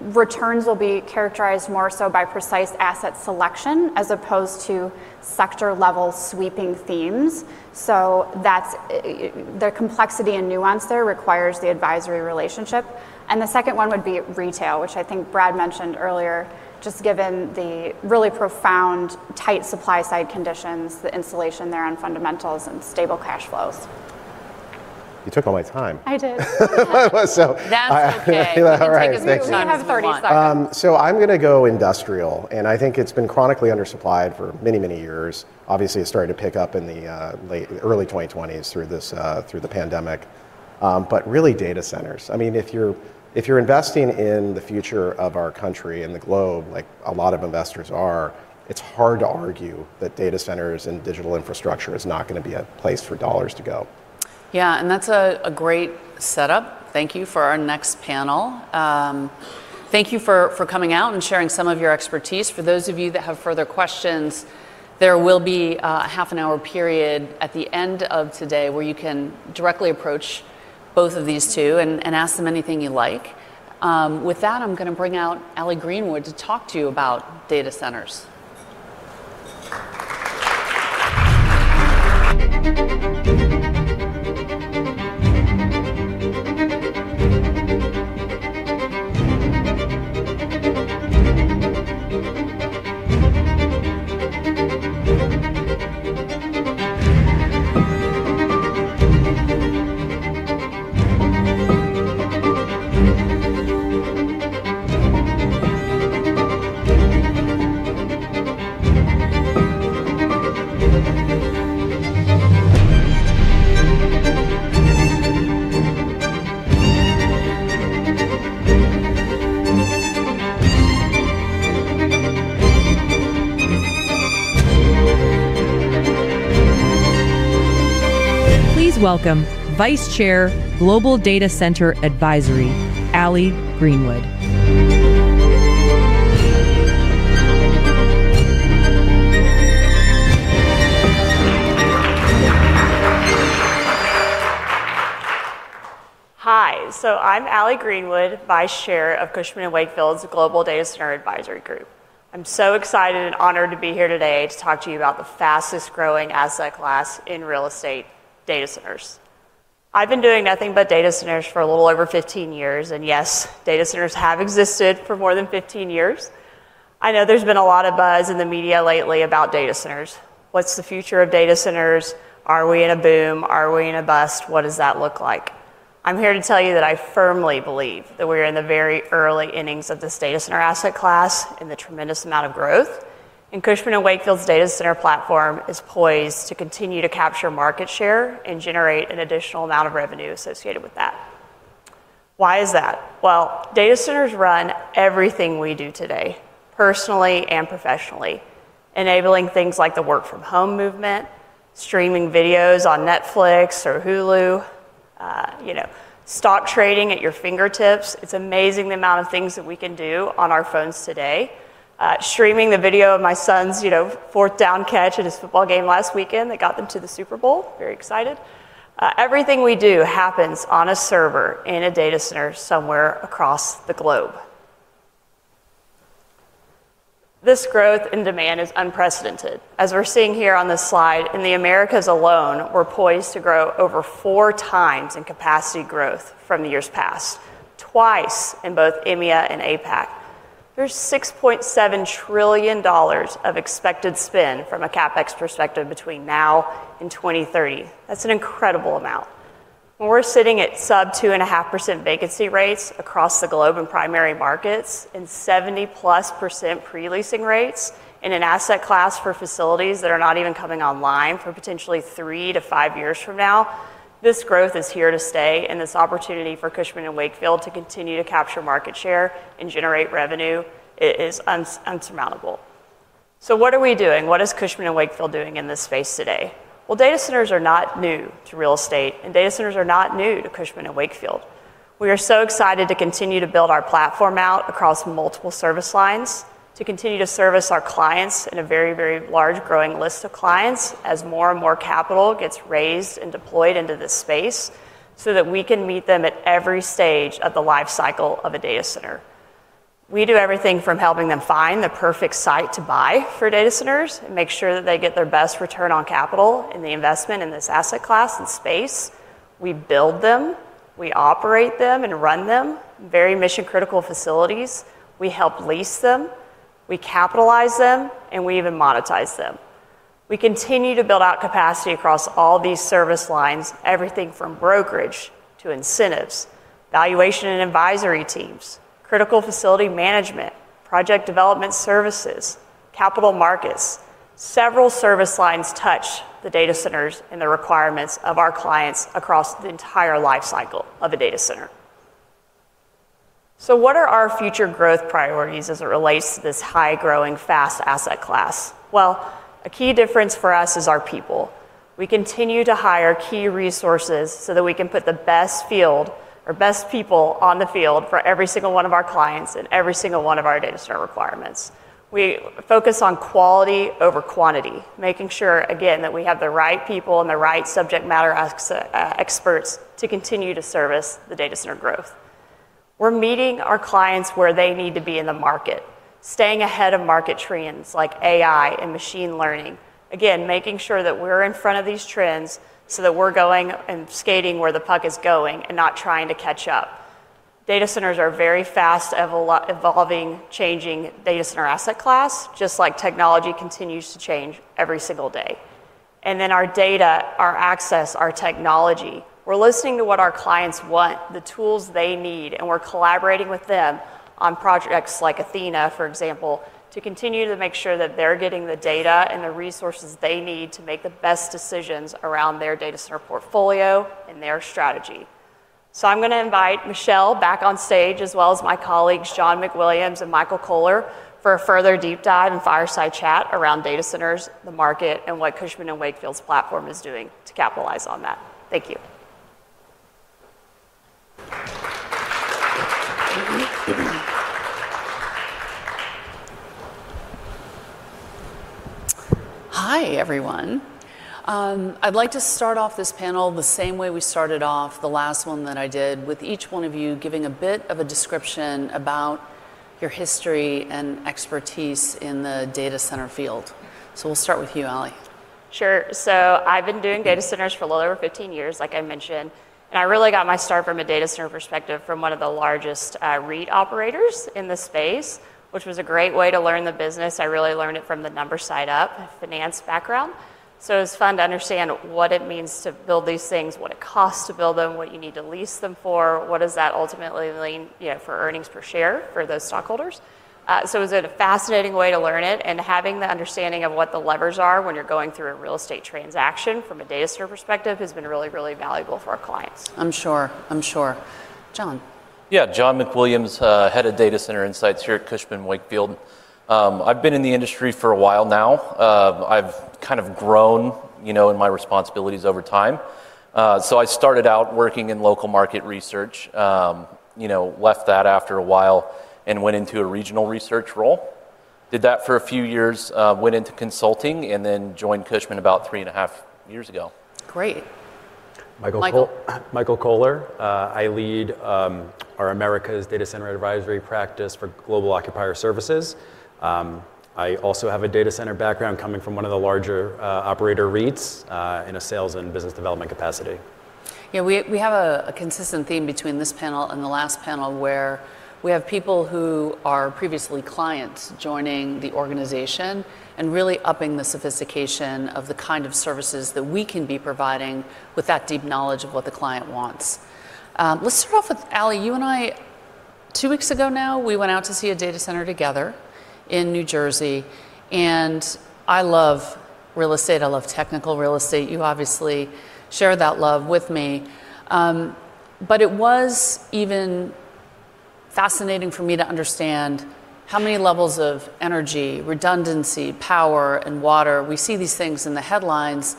returns will be characterized more so by precise asset selection as opposed to sector-level sweeping themes. So the complexity and nuance there requires the advisory relationship. And the second one would be retail, which I think Brad mentioned earlier, just given the really profound tight supply-side conditions, the insulation there on fundamentals and stable cash flows. You took all my time. I did. That's okay. All right. We have 30 seconds. So I'm going to go industrial. And I think it's been chronically undersupplied for many, many years. Obviously, it started to pick up in the early 2020s through the pandemic. But really, data centers. I mean, if you're investing in the future of our country and the globe, like a lot of investors are, it's hard to argue that data centers and digital infrastructure is not going to be a place for dollars to go. Yeah. And that's a great setup. Thank you for our next panel. Thank you for coming out and sharing some of your expertise. For those of you that have further questions, there will be a half an hour period at the end of today where you can directly approach both of these two and ask them anything you like. With that, I'm going to bring out Ali Greenwood to talk to you about data centers. Please welcome Vice Chair, Global Data Center Advisory, Ali Greenwood. Hi. So I'm Ali Greenwood, Vice Chair of Cushman & Wakefield's Global Data Center Advisory Group. I'm so excited and honored to be here today to talk to you about the fastest-growing asset class in real estate, data centers. I've been doing nothing but data centers for a little over 15 years. And yes, data centers have existed for more than 15 years. I know there's been a lot of buzz in the media lately about data centers. What's the future of data centers? Are we in a boom? Are we in a bust? What does that look like? I'm here to tell you that I firmly believe that we're in the very early innings of this data center asset class and the tremendous amount of growth, and Cushman & Wakefield's data center platform is poised to continue to capture market share and generate an additional amount of revenue associated with that. Why is that? Well, data centers run everything we do today, personally and professionally, enabling things like the work-from-home movement, streaming videos on Netflix or Hulu, stock trading at your fingertips. It's amazing the amount of things that we can do on our phones today. Streaming the video of my son's fourth down catch at his football game last weekend that got them to the Super Bowl. Very excited. Everything we do happens on a server in a data center somewhere across the globe. This growth in demand is unprecedented. As we're seeing here on this slide, in the Americas alone, we're poised to grow over four times in capacity growth from years past, twice in both EMEA and APAC. There's $6.7 trillion of expected spend from a CapEx perspective between now and 2030. That's an incredible amount. We're sitting at sub 2.5% vacancy rates across the globe in primary markets and 70+% pre-leasing rates in an asset class for facilities that are not even coming online for potentially 3-5 years from now. This growth is here to stay, and this opportunity for Cushman & Wakefield to continue to capture market share and generate revenue is insurmountable, so what are we doing? What is Cushman & Wakefield doing in this space today? Well, data centers are not new to real estate, and data centers are not new to Cushman & Wakefield. We are so excited to continue to build our platform out across multiple service lines to continue to service our clients in a very, very large growing list of clients as more and more capital gets raised and deployed into this space so that we can meet them at every stage of the life cycle of a data center. We do everything from helping them find the perfect site to buy for data centers and make sure that they get their best return on capital in the investment in this asset class and space. We build them. We operate them and run them. Very mission-critical facilities. We help lease them. We capitalize them, and we even monetize them. We continue to build out capacity across all these service lines, everything from brokerage to incentives, valuation and advisory teams, critical facility management, project development services, capital markets. Several service lines touch the data centers and the requirements of our clients across the entire life cycle of a data center. So what are our future growth priorities as it relates to this high-growing, fast asset class? Well, a key difference for us is our people. We continue to hire key resources so that we can put the best field, our best people on the field for every single one of our clients and every single one of our data center requirements. We focus on quality over quantity, making sure, again, that we have the right people and the right subject matter experts to continue to service the data center growth. We're meeting our clients where they need to be in the market, staying ahead of market trends like AI and machine learning. Again, making sure that we're in front of these trends so that we're going and skating where the puck is going and not trying to catch up. Data centers are a very fast-evolving, changing data center asset class, just like technology continues to change every single day. And then our data, our access, our technology. We're listening to what our clients want, the tools they need, and we're collaborating with them on projects like Athena, for example, to continue to make sure that they're getting the data and the resources they need to make the best decisions around their data center portfolio and their strategy. So I'm going to invite Michelle back on stage, as well as my colleagues, John McWilliams and Michael Koeller, for a further deep dive and fireside chat around data centers, the market, and what Cushman & Wakefield's platform is doing to capitalize on that. Thank you. Hi, everyone. I'd like to start off this panel the same way we started off the last one that I did, with each one of you giving a bit of a description about your history and expertise in the data center field. So we'll start with you, Ali. Sure. So I've been doing data centers for a little over 15 years, like I mentioned. And I really got my start from a data center perspective from one of the largest REIT operators in the space, which was a great way to learn the business. I really learned it from the number side up finance background. So it was fun to understand what it means to build these things, what it costs to build them, what you need to lease them for, what does that ultimately mean for earnings per share for those stockholders. So it was a fascinating way to learn it. And having the understanding of what the levers are when you're going through a real estate transaction from a data center perspective has been really, really valuable for our clients. I'm sure. I'm sure. John. Yeah. John McWilliams, Head of Data Center Insights here at Cushman & Wakefield. I've been in the industry for a while now. I've kind of grown in my responsibilities over time. So I started out working in local market research, left that after a while, and went into a regional research role. Did that for a few years, went into consulting, and then joined Cushman about 3.5 years ago. Great. Michael Koeller. Michael Koeller. I lead our Americas Data Center Advisory practice for Global Occupier Services. I also have a data center background coming from one of the larger operator REITs in a sales and business development capacity. Yeah. We have a consistent theme between this panel and the last panel where we have people who are previously clients joining the organization and really upping the sophistication of the kind of services that we can be providing with that deep knowledge of what the client wants. Let's start off with Ali. You and I, two weeks ago now, we went out to see a data center together in New Jersey. And I love real estate. I love technical real estate. You obviously share that love with me. But it was even fascinating for me to understand how many levels of energy, redundancy, power, and water. We see these things in the headlines.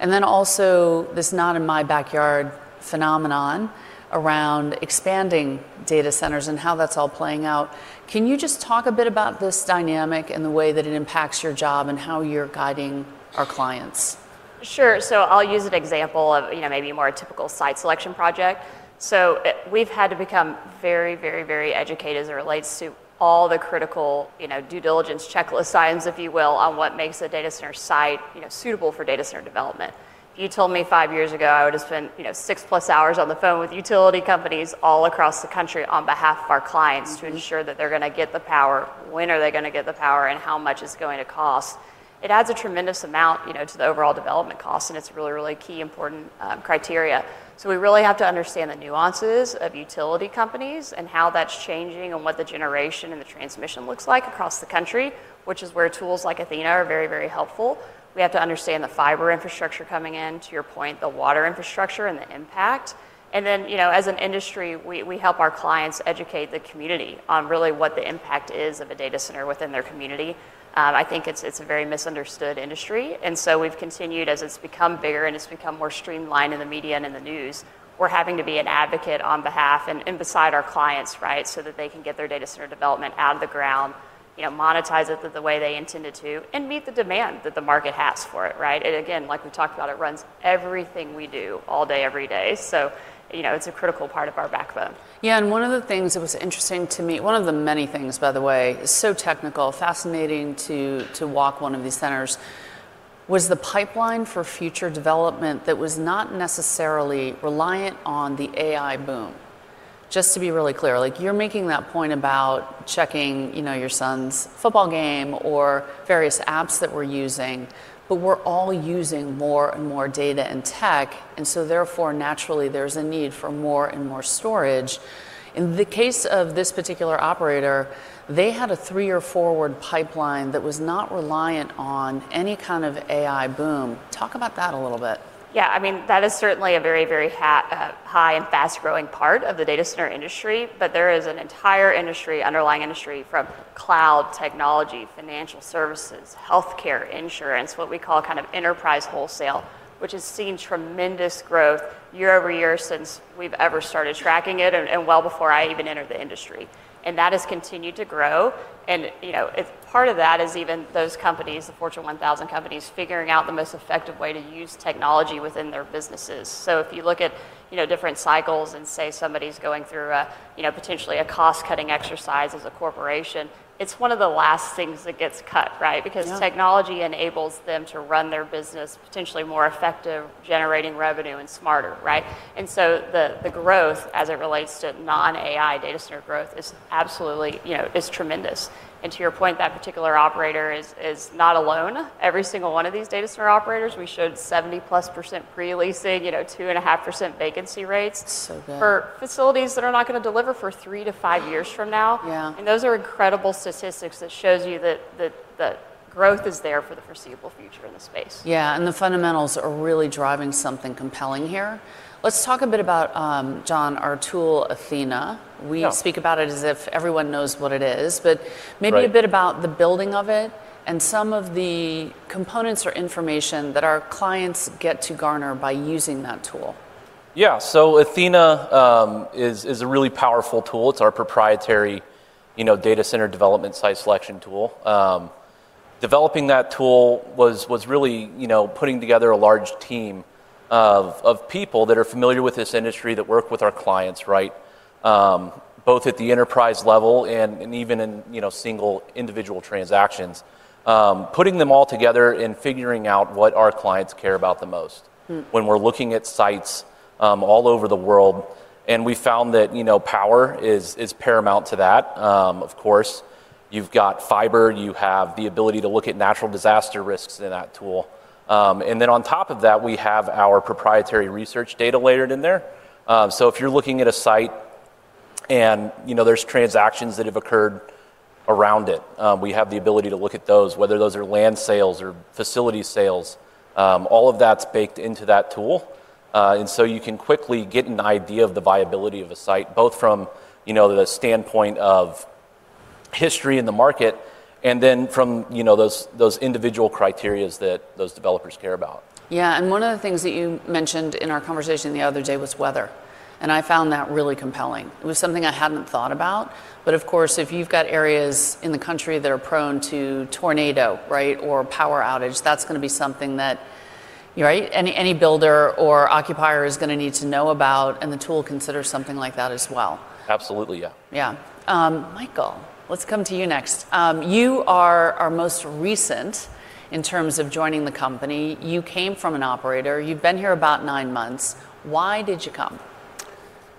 Then also this not-in-my-backyard phenomenon around expanding data centers and how that's all playing out. Can you just talk a bit about this dynamic and the way that it impacts your job and how you're guiding our clients? Sure. So I'll use an example of maybe a more typical site selection project. So we've had to become very, very, very educated as it relates to all the critical due diligence checklist signs, if you will, on what makes a data center site suitable for data center development. You told me five years ago I would have spent 6+ hours on the phone with utility companies all across the country on behalf of our clients to ensure that they're going to get the power, when are they going to get the power, and how much it's going to cost. It adds a tremendous amount to the overall development cost, and it's a really, really key important criteria. So we really have to understand the nuances of utility companies and how that's changing and what the generation and the transmission looks like across the country, which is where tools like Athena are very, very helpful. We have to understand the fiber infrastructure coming in, to your point, the water infrastructure and the impact, and then as an industry, we help our clients educate the community on really what the impact is of a data center within their community. I think it's a very misunderstood industry. And so we've continued, as it's become bigger and it's become more streamlined in the media and in the news, we're having to be an advocate on behalf and beside our clients, right, so that they can get their data center development out of the ground, monetize it the way they intended to, and meet the demand that the market has for it, right? And again, like we've talked about, it runs everything we do all day, every day. So it's a critical part of our backbone. Yeah. And one of the things that was interesting to me, one of the many things, by the way, is so technical, fascinating to walk one of these centers, was the pipeline for future development that was not necessarily reliant on the AI boom. Just to be really clear, you're making that point about checking your son's football game or various apps that we're using. But we're all using more and more data and tech. And so therefore, naturally, there's a need for more and more storage. In the case of this particular operator, they had a three-year forward pipeline that was not reliant on any kind of AI boom. Talk about that a little bit. Yeah. I mean, that is certainly a very, very high and fast-growing part of the data center industry. But there is an entire industry, underlying industry from cloud technology, financial services, healthcare, insurance, what we call kind of enterprise wholesale, which has seen tremendous growth year-over-year since we've ever started tracking it and well before I even entered the industry. And that has continued to grow. Part of that is even those companies, the Fortune 1000 companies, figuring out the most effective way to use technology within their businesses. So if you look at different cycles and say somebody's going through potentially a cost-cutting exercise as a corporation, it's one of the last things that gets cut, right? Because technology enables them to run their business potentially more effective, generating revenue and smarter, right? And so the growth as it relates to non-AI data center growth is absolutely tremendous. And to your point, that particular operator is not alone. Every single one of these data center operators, we showed 70+% pre-leasing, 2.5% vacancy rates for facilities that are not going to deliver for three to five years from now. And those are incredible statistics that show you that growth is there for the foreseeable future in the space. Yeah. The fundamentals are really driving something compelling here. Let's talk a bit about, John, our tool, Athena. We speak about it as if everyone knows what it is, but maybe a bit about the building of it and some of the components or information that our clients get to garner by using that tool. Yeah. Athena is a really powerful tool. It's our proprietary data center development site selection tool. Developing that tool was really putting together a large team of people that are familiar with this industry that work with our clients, right, both at the enterprise level and even in single individual transactions, putting them all together and figuring out what our clients care about the most when we're looking at sites all over the world. We found that power is paramount to that. Of course, you've got fiber. You have the ability to look at natural disaster risks in that tool. And then on top of that, we have our proprietary research data layered in there. So if you're looking at a site and there's transactions that have occurred around it, we have the ability to look at those, whether those are land sales or facility sales. All of that's baked into that tool. And so you can quickly get an idea of the viability of a site, both from the standpoint of history in the market and then from those individual criteria that those developers care about. Yeah. And one of the things that you mentioned in our conversation the other day was weather. And I found that really compelling. It was something I hadn't thought about. But of course, if you've got areas in the country that are prone to tornado, right, or power outage, that's going to be something that any builder or occupier is going to need to know about. And the tool considers something like that as well. Absolutely. Yeah. Yeah. Michael, let's come to you next. You are our most recent in terms of joining the company. You came from an operator. You've been here about nine months. Why did you come?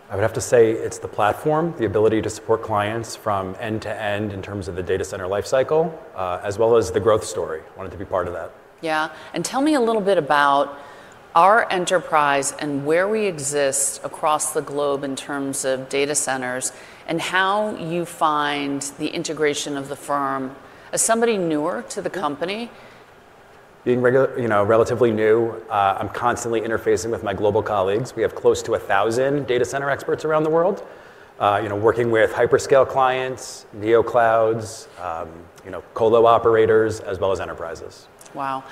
I would have to say it's the platform, the ability to support clients from end to end in terms of the data center lifecycle, as well as the growth story. I wanted to be part of that. Yeah. And tell me a little bit about our enterprise and where we exist across the globe in terms of data centers and how you find the integration of the firm. As somebody newer to the company. Being relatively new, I'm constantly interfacing with my global colleagues. We have close to 1,000 data center experts around the world working with hyperscale clients, neoclouds, colo operators, as well as enterprises. Wow.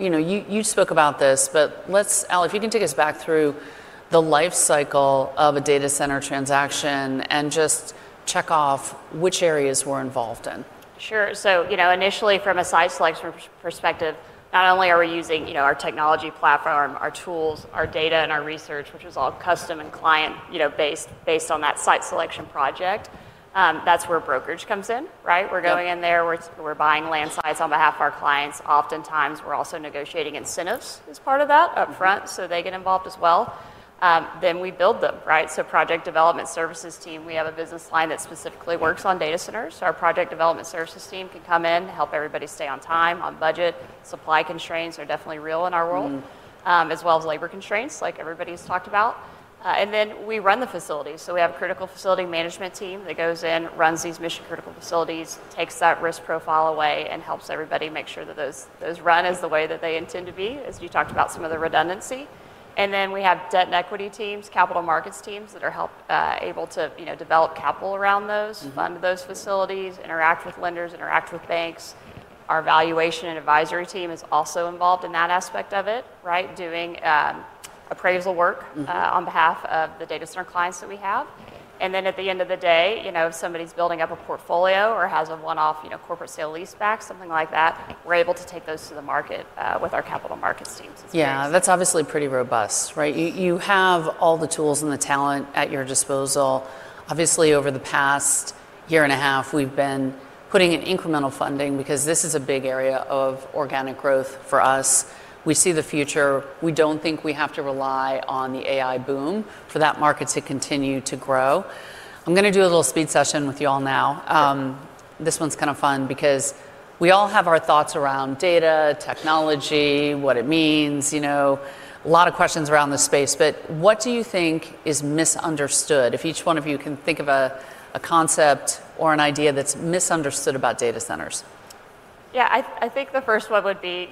You spoke about this, but Ali, if you can take us back through the lifecycle of a data center transaction and just check off which areas we're involved in. Sure. Initially, from a site selection perspective, not only are we using our technology platform, our tools, our data, and our research, which is all custom and client-based based on that site selection project. That's where brokerage comes in, right? We're going in there. We're buying land sites on behalf of our clients. Oftentimes, we're also negotiating incentives as part of that upfront. So they get involved as well. Then we build them, right? Project development services team, we have a business line that specifically works on data centers. Our project development services team can come in, help everybody stay on time, on budget. Supply constraints are definitely real in our world, as well as labor constraints, like everybody's talked about. We run the facilities. We have a critical facility management team that goes in, runs these mission-critical facilities, takes that risk profile away, and helps everybody make sure that those run as the way that they intend to be, as you talked about, some of the redundancy. We have debt and equity teams, capital markets teams that are able to develop capital around those, fund those facilities, interact with lenders, interact with banks. Our valuation and advisory team is also involved in that aspect of it, right, doing appraisal work on behalf of the data center clients that we have. And then at the end of the day, if somebody's building up a portfolio or has a one-off corporate sale lease back, something like that, we're able to take those to the market with our capital markets teams. Yeah. That's obviously pretty robust, right? You have all the tools and the talent at your disposal. Obviously, over the past year and a half, we've been putting in incremental funding because this is a big area of organic growth for us. We see the future. We don't think we have to rely on the AI boom for that market to continue to grow. I'm going to do a little speed session with you all now. This one's kind of fun because we all have our thoughts around data, technology, what it means, a lot of questions around the space. But what do you think is misunderstood? If each one of you can think of a concept or an idea that's misunderstood about data centers. Yeah. I think the first one would be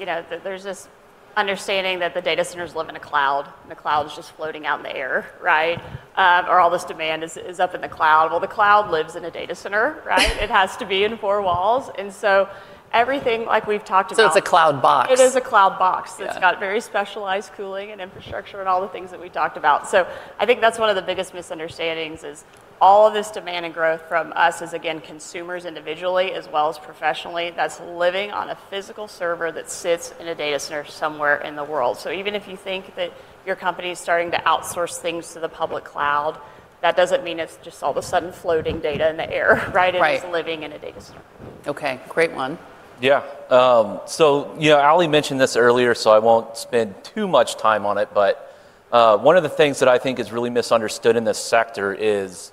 there's this understanding that the data centers live in a cloud. The cloud is just floating out in the air, right, or all this demand is up in the cloud. Well, the cloud lives in a data center, right? It has to be in four walls. And so everything like we've talked about. So it's a cloud box. It is a cloud box that's got very specialized cooling and infrastructure and all the things that we talked about. So I think that's one of the biggest misunderstandings is all of this demand and growth from us as, again, consumers individually as well as professionally that's living on a physical server that sits in a data center somewhere in the world. So even if you think that your company is starting to outsource things to the public cloud, that doesn't mean it's just all of a sudden floating data in the air, right? It's living in a data center. Okay. Great one. Yeah. So Ali mentioned this earlier, so I won't spend too much time on it. But one of the things that I think is really misunderstood in this sector is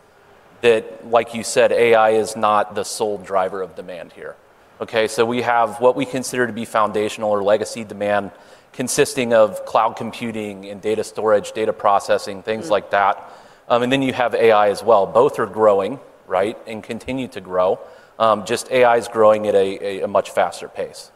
that, like you said, AI is not the sole driver of demand here. Okay? So we have what we consider to be foundational or legacy demand consisting of cloud computing and data storage, data processing, things like that. And then you have AI as well. Both are growing, right, and continue to grow. Just AI is growing at a much faster pace.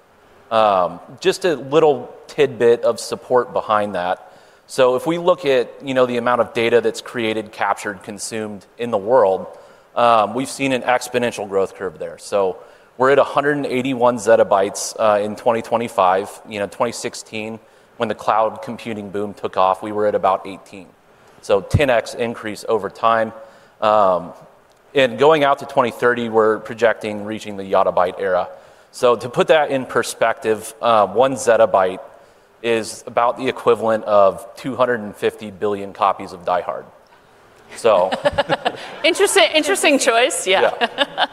Just a little tidbit of support behind that. So if we look at the amount of data that's created, captured, consumed in the world, we've seen an exponential growth curve there. So we're at 181 zettabytes in 2025. 2016, when the cloud computing boom took off, we were at about 18. So 10x increase over time. And going out to 2030, we're projecting reaching the yottabyte era. So to put that in perspective, one zettabyte is about the equivalent of 250 billion copies of Die Hard. So. Interesting choice. Yeah.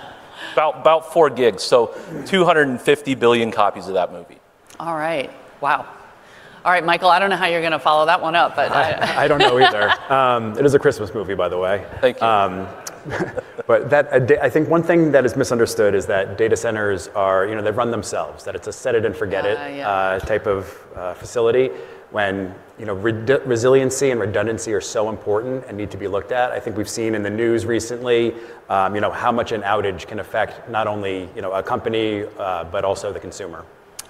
About four gigs. So 250 billion copies of that movie. All right. Wow. All right, Michael, I don't know how you're going to follow that one up, but I don't know either. It is a Christmas movie, by the way. Thank you. But I think one thing that is misunderstood is that data centers, that they run themselves, that it's a set-it-and-forget-it type of facility when resiliency and redundancy are so important and need to be looked at. I think we've seen in the news recently how much an outage can affect not only a company but also the consumer.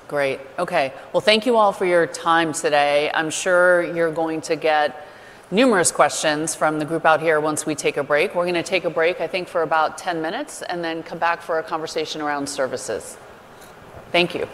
Great. Okay. Well, thank you all for your time today. I'm sure you're going to get numerous questions from the group out here once we take a break. We're going to take a break, I think, for about 10 minutes and then come back for a conversation around services. Thank you.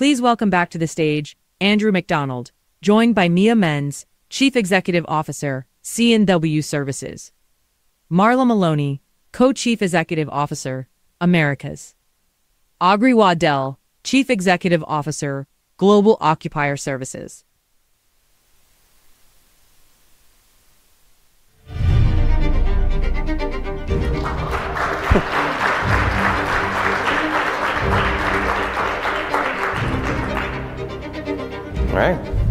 Please welcome back to the stage Andrew McDonald, joined by Mia Mends, Chief Executive Officer, C&W Services; Marla Maloney, Co-Chief Executive Officer, Americas; Aubrey Waddell, Chief Executive Officer, Global Occupier Services. All right.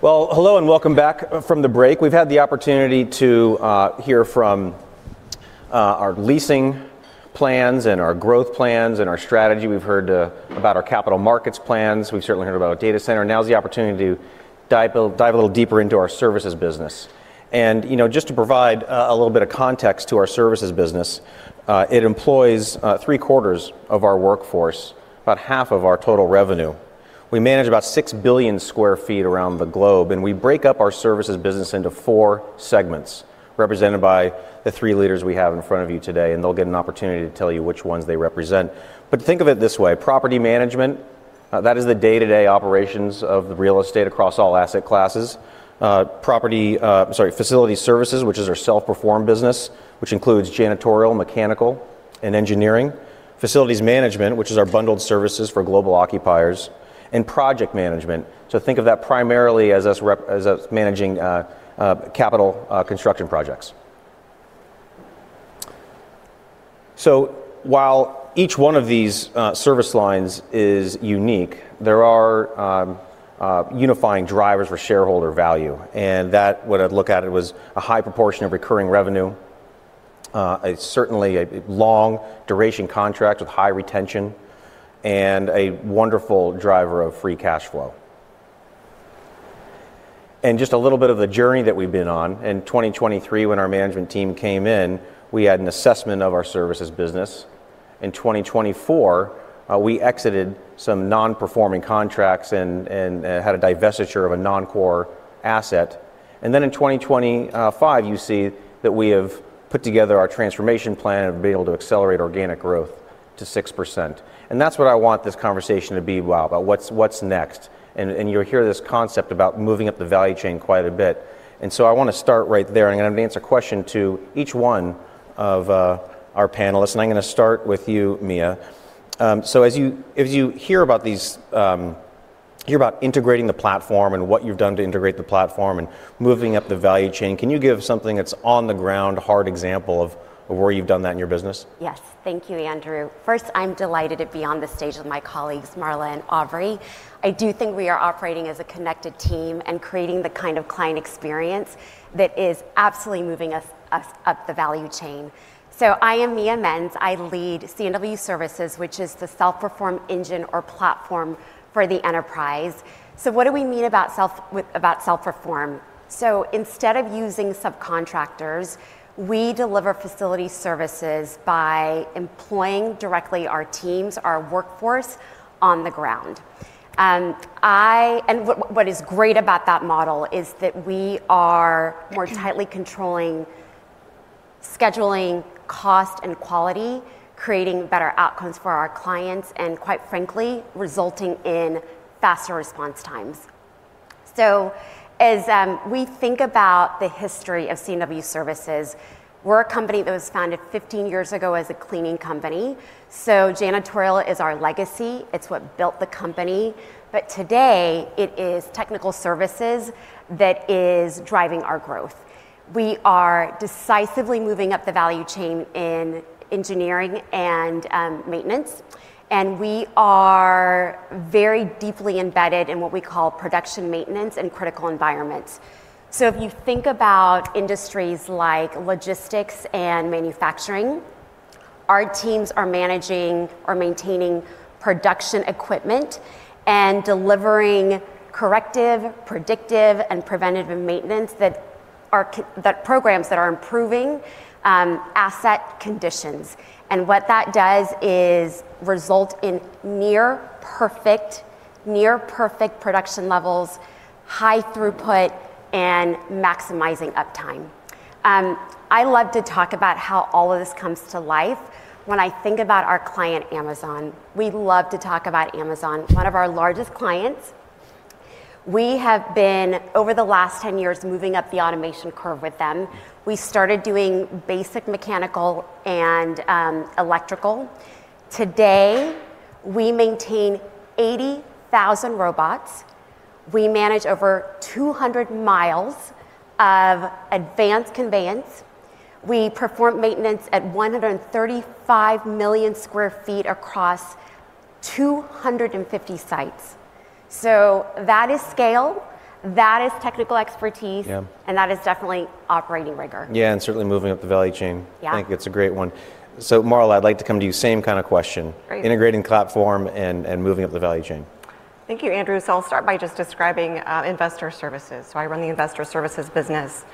Well, hello and welcome back from the break. We've had the opportunity to hear from our leasing plans and our growth plans and our strategy. We've heard about our capital markets plans. We've certainly heard about our data center. Now's the opportunity to dive a little deeper into our services business. And just to provide a little bit of context to our services business, it employs three-quarters of our workforce, about half of our total revenue. We manage about 6 billion sq ft around the globe. And we break up our services business into four segments represented by the three leaders we have in front of you today. They'll get an opportunity to tell you which ones they represent. Think of it this way: property management, that is the day-to-day operations of the real estate across all asset classes. Facility services, which is our self-performed business, which includes janitorial, mechanical, and engineering. Facilities management, which is our bundled services for Global Occupiers. And project management. Think of that primarily as us managing capital construction projects. While each one of these service lines is unique, there are unifying drivers for shareholder value. That, when I look at it, was a high proportion of recurring revenue, certainly a long-duration contract with high retention, and a wonderful driver of free cash flow. Just a little bit of the journey that we've been on: in 2023, when our management team came in, we had an assessment of our services business. In 2024, we exited some non-performing contracts and had a divestiture of a non-core asset. And then in 2025, you see that we have put together our transformation plan and have been able to accelerate organic growth to 6%. And that's what I want this conversation to be about: what's next? And you'll hear this concept about moving up the value chain quite a bit. And so I want to start right there. And I'm going to answer a question to each one of our panelists. And I'm going to start with you, Mia. So as you hear about integrating the platform and what you've done to integrate the platform and moving up the value chain, can you give something that's on the ground, a hard example of where you've done that in your business? Yes. Thank you, Andrew. First, I'm delighted to be on the stage with my colleagues, Marla and Aubrey. I do think we are operating as a connected team and creating the kind of client experience that is absolutely moving us up the value chain. I am Mia Mends. I lead C&W Services, which is the self-performed engine or platform for the enterprise. What do we mean about self-performed? Instead of using subcontractors, we deliver facility services by employing directly our teams, our workforce on the ground. What is great about that model is that we are more tightly controlling scheduling, cost, and quality, creating better outcomes for our clients, and quite frankly, resulting in faster response times. As we think about the history of C&W Services, we're a company that was founded 15 years ago as a cleaning company. Janitorial is our legacy. It's what built the company. Today, it is technical services that is driving our growth. We are decisively moving up the value chain in engineering and maintenance. We are very deeply embedded in what we call production maintenance and critical environments. If you think about industries like logistics and manufacturing, our teams are managing or maintaining production equipment and delivering corrective, predictive, and preventative maintenance programs that are improving asset conditions. What that does is result in near-perfect, near-perfect production levels, high throughput, and maximizing uptime. I love to talk about how all of this comes to life. When I think about our client, Amazon, we love to talk about Amazon, one of our largest clients. We have been, over the last 10 years, moving up the automation curve with them. We started doing basic mechanical and electrical. Today, we maintain 80,000 robots. We manage over 200 miles of advanced conveyance. We perform maintenance at 135 million sq ft across 250 sites. That is scale. That is technical expertise. And that is definitely operating rigor. Yeah, and certainly moving up the value chain. I think it's a great one. Marla, I'd like to come to you, same kind of question: integrating platform and moving up the value chain. Thank you, Andrew. I'll start by just describing investor services. I run the investor services business.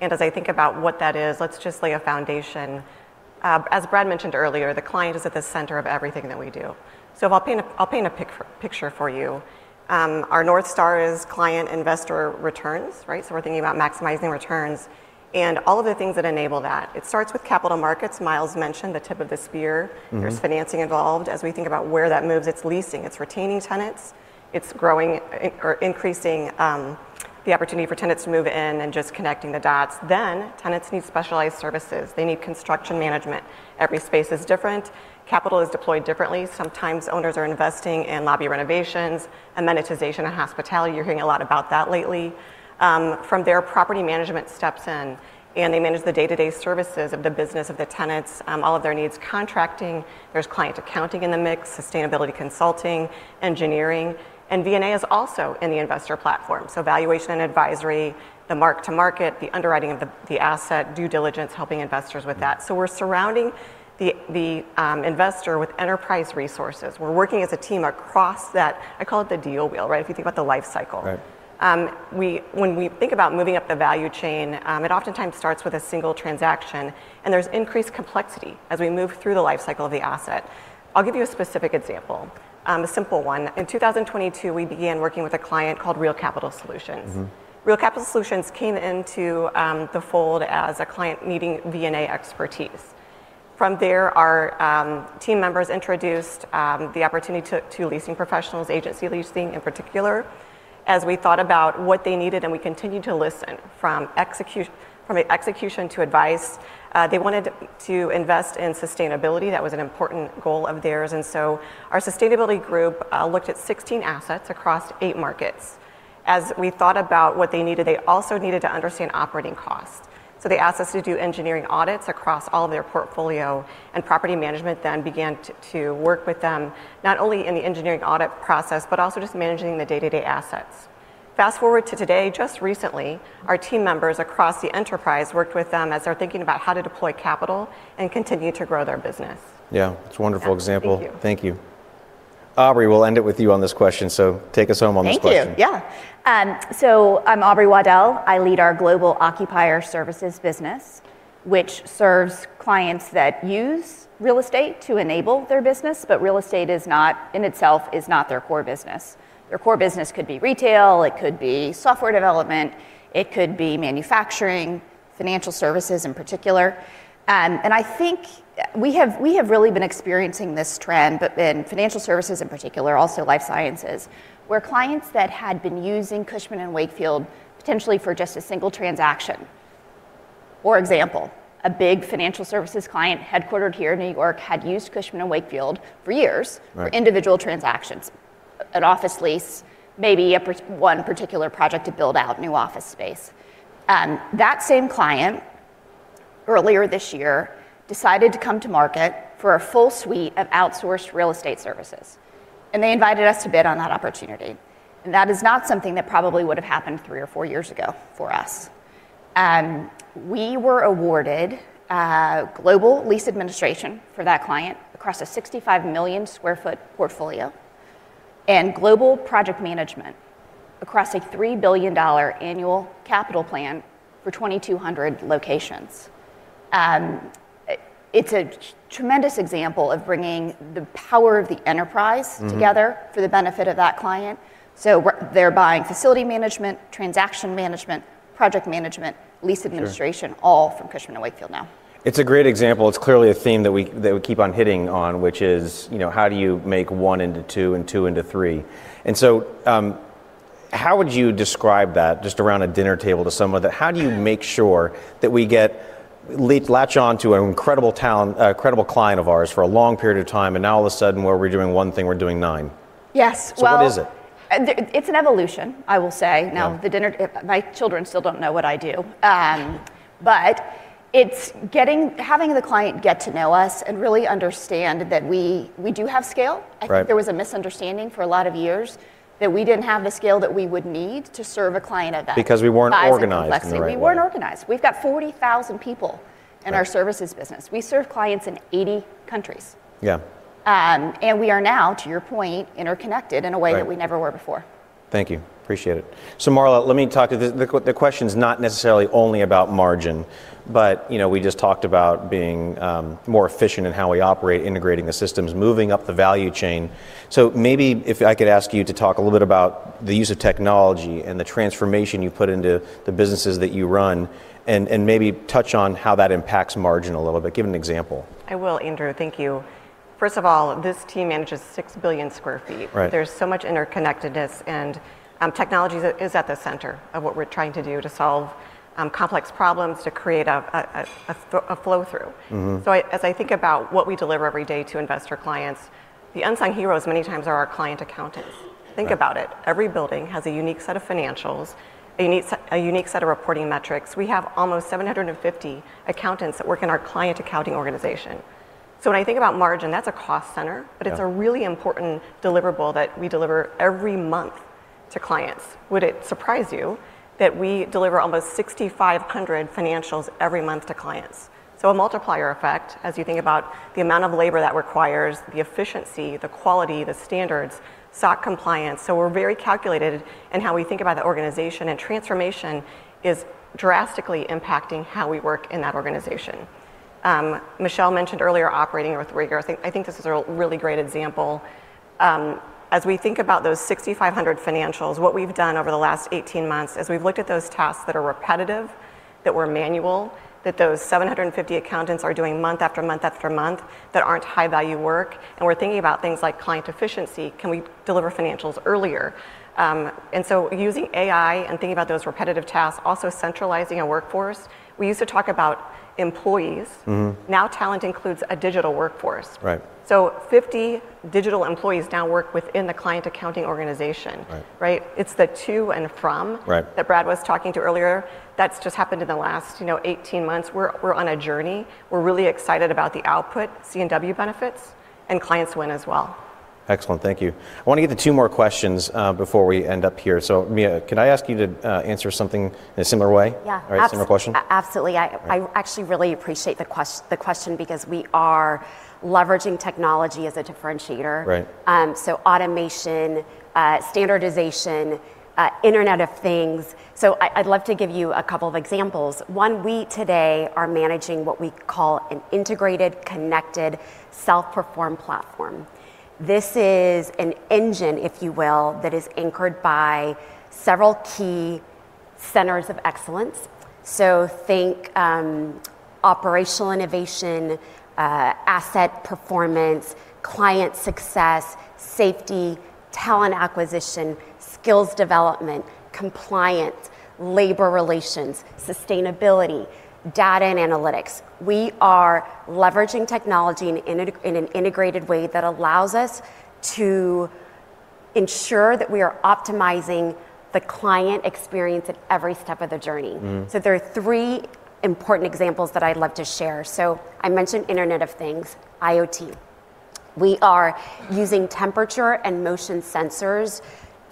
And as I think about what that is, let's just lay a foundation. As Brad mentioned earlier, the client is at the center of everything that we do. I'll paint a picture for you. Our North Star is client-investor returns, right? We're thinking about maximizing returns and all of the things that enable that. It starts with capital markets. Miles mentioned the tip of the spear. There's financing involved. As we think about where that moves, it's leasing. It's retaining tenants. It's growing or increasing the opportunity for tenants to move in and just connecting the dots. Then tenants need specialized services. They need construction management. Every space is different. Capital is deployed differently. Sometimes owners are investing in lobby renovations, amenitization, and hospitality. You're hearing a lot about that lately. From there, property management steps in, and they manage the day-to-day services of the business, of the tenants, all of their needs, contracting. There's client accounting in the mix, sustainability consulting, engineering, and V&A is also in the investor platform, so valuation and advisory, the mark-to-market, the underwriting of the asset, due diligence, helping investors with that. We're surrounding the investor with enterprise resources. We're working as a team across that. I call it the deal wheel, right? If you think about the life cycle. When we think about moving up the value chain, it oftentimes starts with a single transaction, and there's increased complexity as we move through the life cycle of the asset. I'll give you a specific example, a simple one. In 2022, we began working with a client called Real Capital Solutions. Real Capital Solutions came into the fold as a client needing V&A expertise. From there, our team members introduced the opportunity to leasing professionals, agency leasing in particular, as we thought about what they needed, and we continued to listen from execution to advice. They wanted to invest in sustainability. That was an important goal of theirs, and so our sustainability group looked at 16 assets across eight markets. As we thought about what they needed, they also needed to understand operating costs, so they asked us to do engineering audits across all of their portfolio. And property management then began to work with them, not only in the engineering audit process, but also just managing the day-to-day assets. Fast forward to today. Just recently, our team members across the enterprise worked with them as they're thinking about how to deploy capital and continue to grow their business. Yeah, it's a wonderful example. Thank you. Aubrey, we'll end it with you on this question. So take us home on this question. Thank you. Yeah. So I'm Aubrey Waddell. I lead our Global Occupier Services business, which serves clients that use real estate to enable their business. But real estate in itself is not their core business. Their core business could be retail. It could be software development. It could be manufacturing, financial services in particular. I think we have really been experiencing this trend, but in financial services in particular, also life sciences, where clients that had been using Cushman & Wakefield potentially for just a single transaction, for example, a big financial services client headquartered here in New York had used Cushman & Wakefield for years for individual transactions, an office lease, maybe one particular project to build out new office space. That same client earlier this year decided to come to market for a full suite of outsourced real estate services. And they invited us to bid on that opportunity. And that is not something that probably would have happened three or four years ago for us. We were awarded global lease administration for that client across a 65 million sq ft portfolio and global project management across a $3 billion annual capital plan for 2,200 locations. It's a tremendous example of bringing the power of the enterprise together for the benefit of that client. So they're buying facility management, transaction management, project management, lease administration, all from Cushman & Wakefield now. It's a great example. It's clearly a theme that we keep on hitting on, which is how do you make one into two and two into three? And so how would you describe that just around a dinner table to someone that, how do you make sure that we latch on to an incredible client of ours for a long period of time? And now all of a sudden, where we're doing one thing, we're doing nine. Yes. Well. So what is it? It's an evolution, I will say. Now, my children still don't know what I do. But having the client get to know us and really understand that we do have scale. I think there was a misunderstanding for a lot of years that we didn't have the scale that we would need to serve a client at that level. Because we weren't organized. Exactly. We weren't organized. We've got 40,000 people in our services business. We serve clients in 80 countries. And we are now, to your point, interconnected in a way that we never were before. Thank you. Appreciate it. So Marla, let me talk to the question's not necessarily only about margin. But we just talked about being more efficient in how we operate, integrating the systems, moving up the value chain. So maybe if I could ask you to talk a little bit about the use of technology and the transformation you put into the businesses that you run and maybe touch on how that impacts margin a little bit. Give an example. I will, Andrew. Thank you. First of all, this team manages 6 billion sq ft. There's so much interconnectedness. And technology is at the center of what we're trying to do to solve complex problems, to create a flow-through. So as I think about what we deliver every day to investor clients, the unsung heroes many times are our client accountants. Think about it. Every building has a unique set of financials, a unique set of reporting metrics. We have almost 750 accountants that work in our client accounting organization. So when I think about margin, that's a cost center. But it's a really important deliverable that we deliver every month to clients. Would it surprise you that we deliver almost 6,500 financials every month to clients? So a multiplier effect as you think about the amount of labor that requires the efficiency, the quality, the standards, SOC compliance. We're very calculated in how we think about the organization. Transformation is drastically impacting how we work in that organization. Michelle mentioned earlier operating with rigor. I think this is a really great example. As we think about those 6,500 financials, what we've done over the last 18 months, as we've looked at those tasks that are repetitive, that were manual, that those 750 accountants are doing month after month after month that aren't high-value work, and we're thinking about things like client efficiency, can we deliver financials earlier? Using AI and thinking about those repetitive tasks, also centralizing a workforce. We used to talk about employees. Now talent includes a digital workforce. 50 digital employees now work within the client accounting organization, right? It's the to and from that Brad was talking to earlier. That's just happened in the last 18 months. We're on a journey. We're really excited about the output, C&W benefits, and client wins as well. Excellent. Thank you. I want to get to two more questions before we end up here. So Mia, can I ask you to answer something in a similar way? Yeah. Absolutely. I actually really appreciate the question because we are leveraging technology as a differentiator. So automation, standardization, Internet of Things. So I'd love to give you a couple of examples. One, we today are managing what we call an integrated, connected, self-performed platform. This is an engine, if you will, that is anchored by several key centers of excellence. So think operational innovation, asset performance, client success, safety, talent acquisition, skills development, compliance, labor relations, sustainability, data, and analytics. We are leveraging technology in an integrated way that allows us to ensure that we are optimizing the client experience at every step of the journey. So there are three important examples that I'd love to share. So I mentioned Internet of Things, IoT. We are using temperature and motion sensors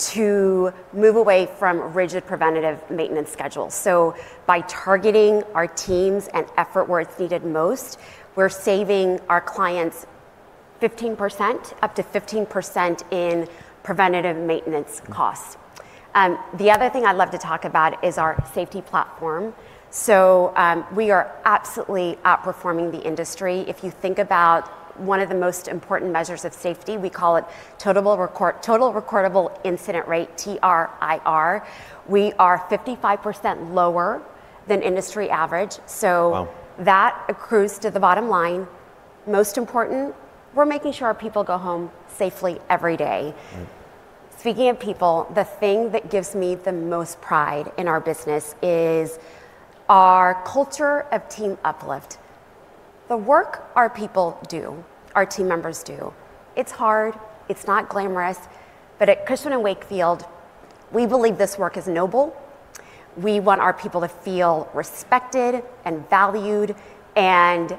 to move away from rigid preventative maintenance schedules. So by targeting our teams and effort where it's needed most, we're saving our clients 15%, up to 15% in preventative maintenance costs. The other thing I'd love to talk about is our safety platform. So we are absolutely outperforming the industry. If you think about one of the most important measures of safety, we call it total recordable incident rate, TRIR. We are 55% lower than industry average. So that accrues to the bottom line. Most important, we're making sure our people go home safely every day. Speaking of people, the thing that gives me the most pride in our business is our culture of team uplift. The work our people do, our team members do, it's hard. It's not glamorous. But at Cushman & Wakefield, we believe this work is noble. We want our people to feel respected and valued and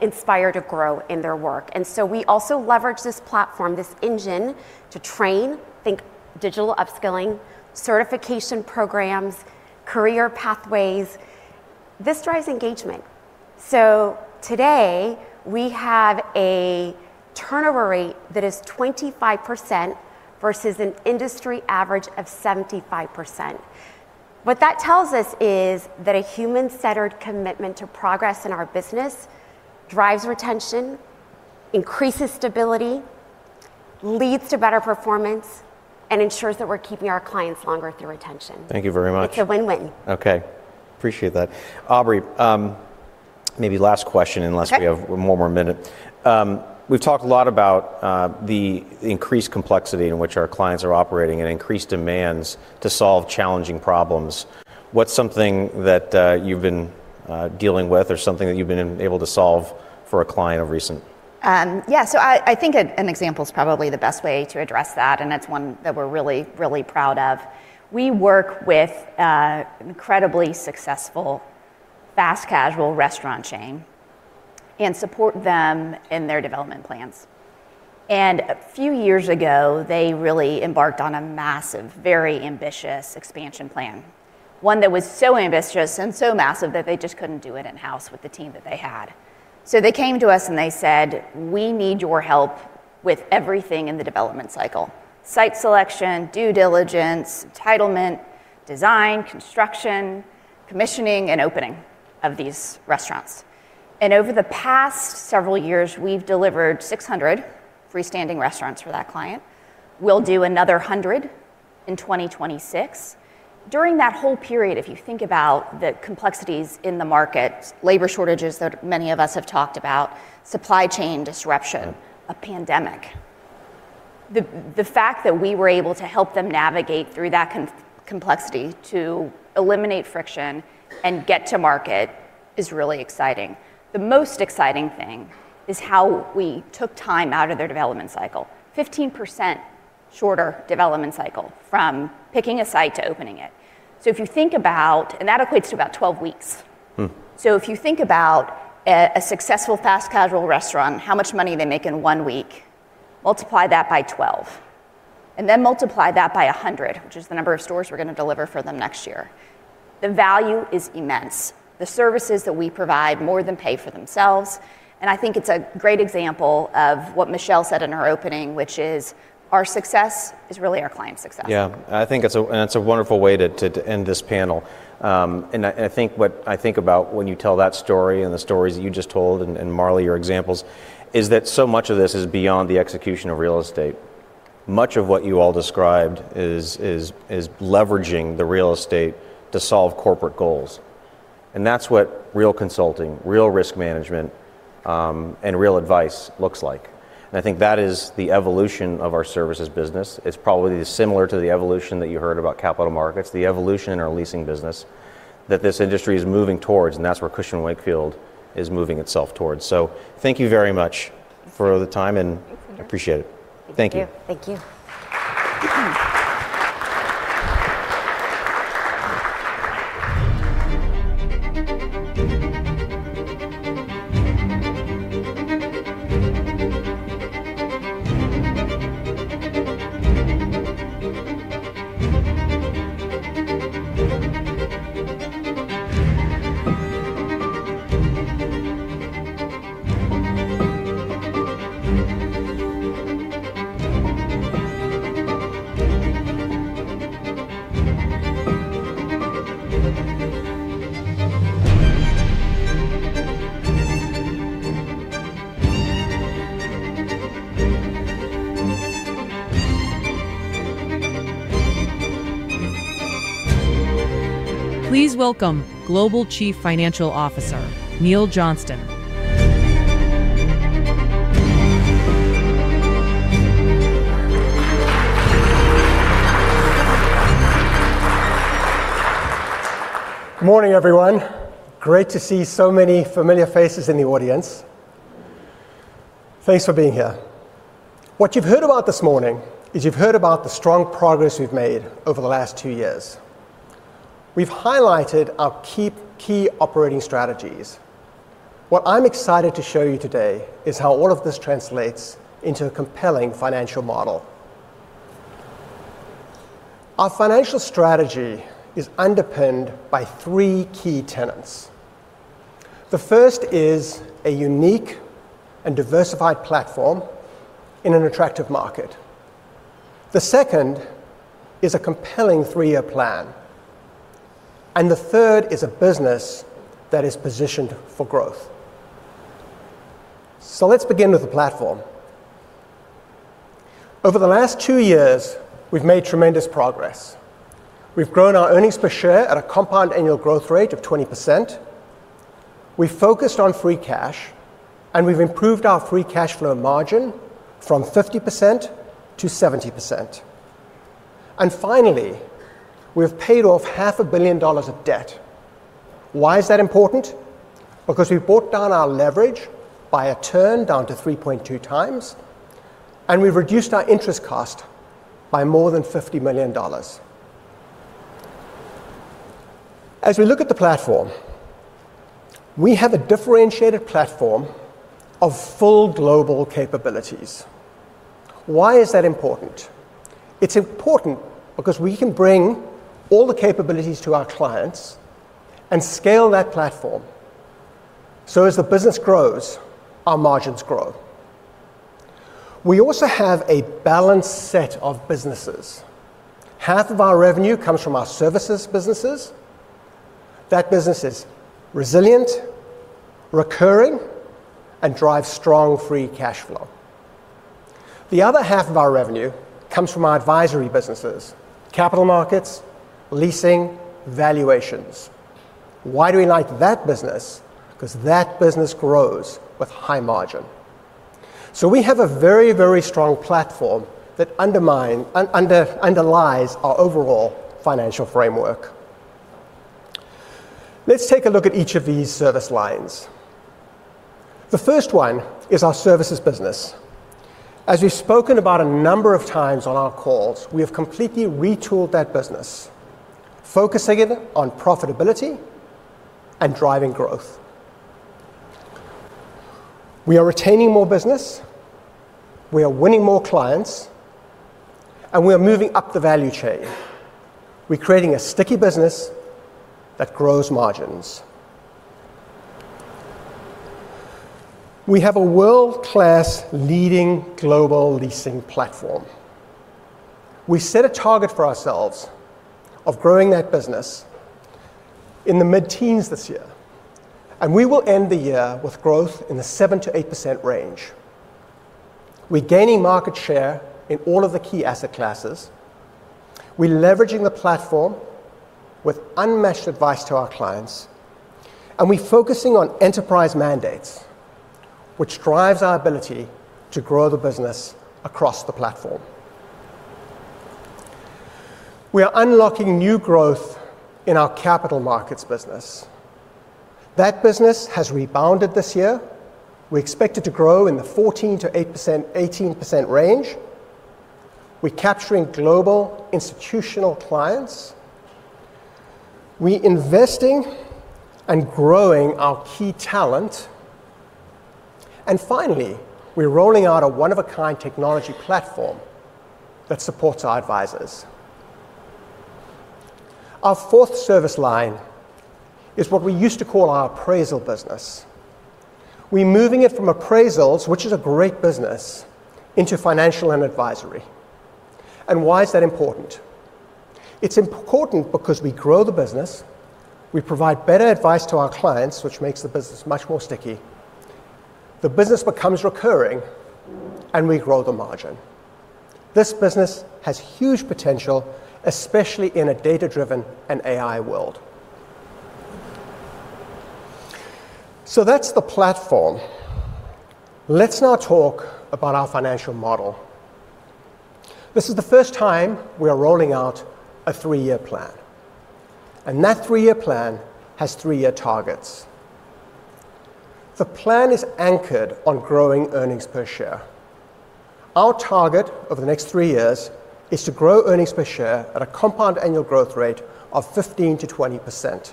inspired to grow in their work. And so we also leverage this platform, this engine to train, think digital upskilling, certification programs, career pathways. This drives engagement. So today, we have a turnover rate that is 25% versus an industry average of 75%. What that tells us is that a human-centered commitment to progress in our business drives retention, increases stability, leads to better performance, and ensures that we're keeping our clients longer through retention. Thank you very much. It's a win-win. Okay. Appreciate that. Aubrey, maybe last question unless we have one more minute. We've talked a lot about the increased complexity in which our clients are operating and increased demands to solve challenging problems. What's something that you've been dealing with or something that you've been able to solve for a client recently? Yeah. So I think an example is probably the best way to address that, and it's one that we're really, really proud of. We work with an incredibly successful fast casual restaurant chain and support them in their development plans, and a few years ago, they really embarked on a massive, very ambitious expansion plan, one that was so ambitious and so massive that they just couldn't do it in-house with the team that they had. They came to us and they said, "We need your help with everything in the development cycle: site selection, due diligence, entitlement, design, construction, commissioning, and opening of these restaurants." Over the past several years, we've delivered 600 freestanding restaurants for that client. We'll do another 100 in 2026. During that whole period, if you think about the complexities in the market, labor shortages that many of us have talked about, supply chain disruption, a pandemic, the fact that we were able to help them navigate through that complexity to eliminate friction and get to market is really exciting. The most exciting thing is how we took time out of their development cycle, 15% shorter development cycle from picking a site to opening it. If you think about it, that equates to about 12 weeks. So if you think about a successful fast casual restaurant, how much money they make in one week, multiply that by 12, and then multiply that by 100, which is the number of stores we're going to deliver for them next year. The value is immense. The services that we provide more than pay for themselves. And I think it's a great example of what Michelle said in her opening, which is our success is really our client's success. Yeah. And I think that's a wonderful way to end this panel. And I think what I think about when you tell that story and the stories that you just told and Marla, your examples, is that so much of this is beyond the execution of real estate. Much of what you all described is leveraging the real estate to solve corporate goals. And that's what real consulting, real risk management, and real advice looks like. And I think that is the evolution of our services business. It's probably similar to the evolution that you heard about capital markets, the evolution in our leasing business that this industry is moving towards. And that's where Cushman & Wakefield is moving itself towards. So thank you very much for the time. And I appreciate it. Thank you. Thank you. Please welcome Global Chief Financial Officer, Neil Johnston. Good morning, everyone. Great to see so many familiar faces in the audience. Thanks for being here. What you've heard about this morning is you've heard about the strong progress we've made over the last two years. We've highlighted our key operating strategies. What I'm excited to show you today is how all of this translates into a compelling financial model. Our financial strategy is underpinned by three key tenets. The first is a unique and diversified platform in an attractive market. The second is a compelling three-year plan, and the third is a business that is positioned for growth, so let's begin with the platform. Over the last two years, we've made tremendous progress. We've grown our earnings per share at a compound annual growth rate of 20%. We've focused on free cash, and we've improved our free cash flow margin from 50% to 70%, and finally, we've paid off $500 million of debt. Why is that important? Because we've brought down our leverage by a turn down to 3.2x, and we've reduced our interest cost by more than $50 million. As we look at the platform, we have a differentiated platform of full global capabilities. Why is that important? It's important because we can bring all the capabilities to our clients and scale that platform, so as the business grows, our margins grow. We also have a balanced set of businesses. Half of our revenue comes from our services businesses. That business is resilient, recurring, and drives strong free cash flow. The other half of our revenue comes from our advisory businesses, capital markets, leasing, valuations. Why do we like that business? Because that business grows with high margin, so we have a very, very strong platform that underlies our overall financial framework. Let's take a look at each of these service lines. The first one is our services business. As we've spoken about a number of times on our calls, we have completely retooled that business, focusing it on profitability and driving growth. We are retaining more business. We are winning more clients. We are moving up the value chain. We're creating a sticky business that grows margins. We have a world-class leading global leasing platform. We set a target for ourselves of growing that business in the mid-teens this year. We will end the year with growth in the 7%-8% range. We're gaining market share in all of the key asset classes. We're leveraging the platform with unmatched advice to our clients. We're focusing on enterprise mandates, which drives our ability to grow the business across the platform. We are unlocking new growth in our capital markets business. That business has rebounded this year. We expect it to grow in the 14%-18% range. We're capturing global institutional clients. We're investing and growing our key talent. Finally, we're rolling out a one-of-a-kind technology platform that supports our advisors. Our fourth service line is what we used to call our appraisal business. We're moving it from appraisals, which is a great business, into financial and advisory. And why is that important? It's important because we grow the business. We provide better advice to our clients, which makes the business much more sticky. The business becomes recurring, and we grow the margin. This business has huge potential, especially in a data-driven and AI world. So that's the platform. Let's now talk about our financial model. This is the first time we are rolling out a three-year plan. And that three-year plan has three-year targets. The plan is anchored on growing earnings per share. Our target over the next three years is to grow earnings per share at a compound annual growth rate of 15%-20%.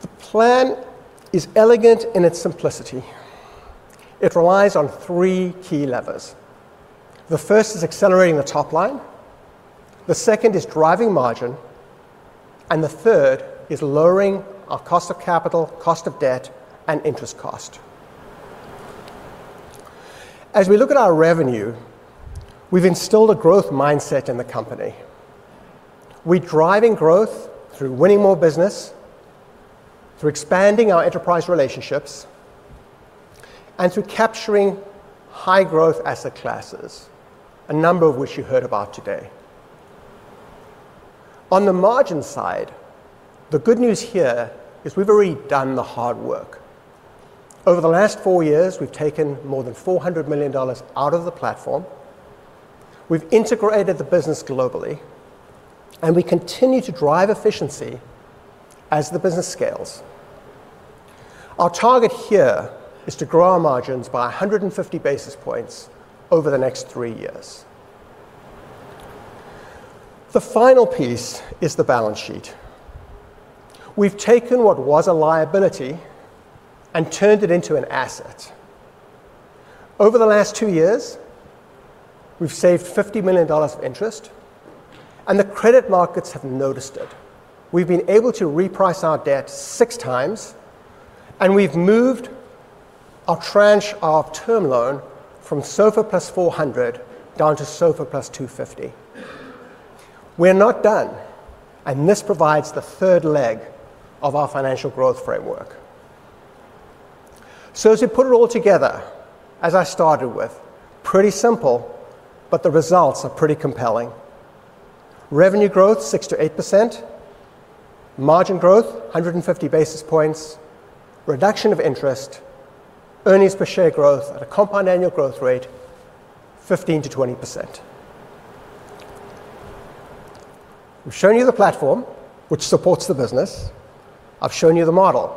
The plan is elegant in its simplicity. It relies on three key levers. The first is accelerating the top line. The second is driving margin. And the third is lowering our cost of capital, cost of debt, and interest cost. As we look at our revenue, we've instilled a growth mindset in the company. We're driving growth through winning more business, through expanding our enterprise relationships, and through capturing high-growth asset classes, a number of which you heard about today. On the margin side, the good news here is we've already done the hard work. Over the last four years, we've taken more than $400 million out of the platform. We've integrated the business globally. And we continue to drive efficiency as the business scales. Our target here is to grow our margins by 150 basis points over the next three years. The final piece is the balance sheet. We've taken what was a liability and turned it into an asset. Over the last two years, we've saved $50 million of interest. And the credit markets have noticed it. We've been able to reprice our debt 6x. And we've moved our tranche of term loan from SOFA plus 400 down to SOFA plus 250. We're not done. And this provides the third leg of our financial growth framework. So as we put it all together, as I started with, pretty simple, but the results are pretty compelling. Revenue growth, 6%-8%. Margin growth, 150 basis points. Reduction of interest. Earnings per share growth at a compound annual growth rate, 15%-20%. We've shown you the platform, which supports the business. I've shown you the model.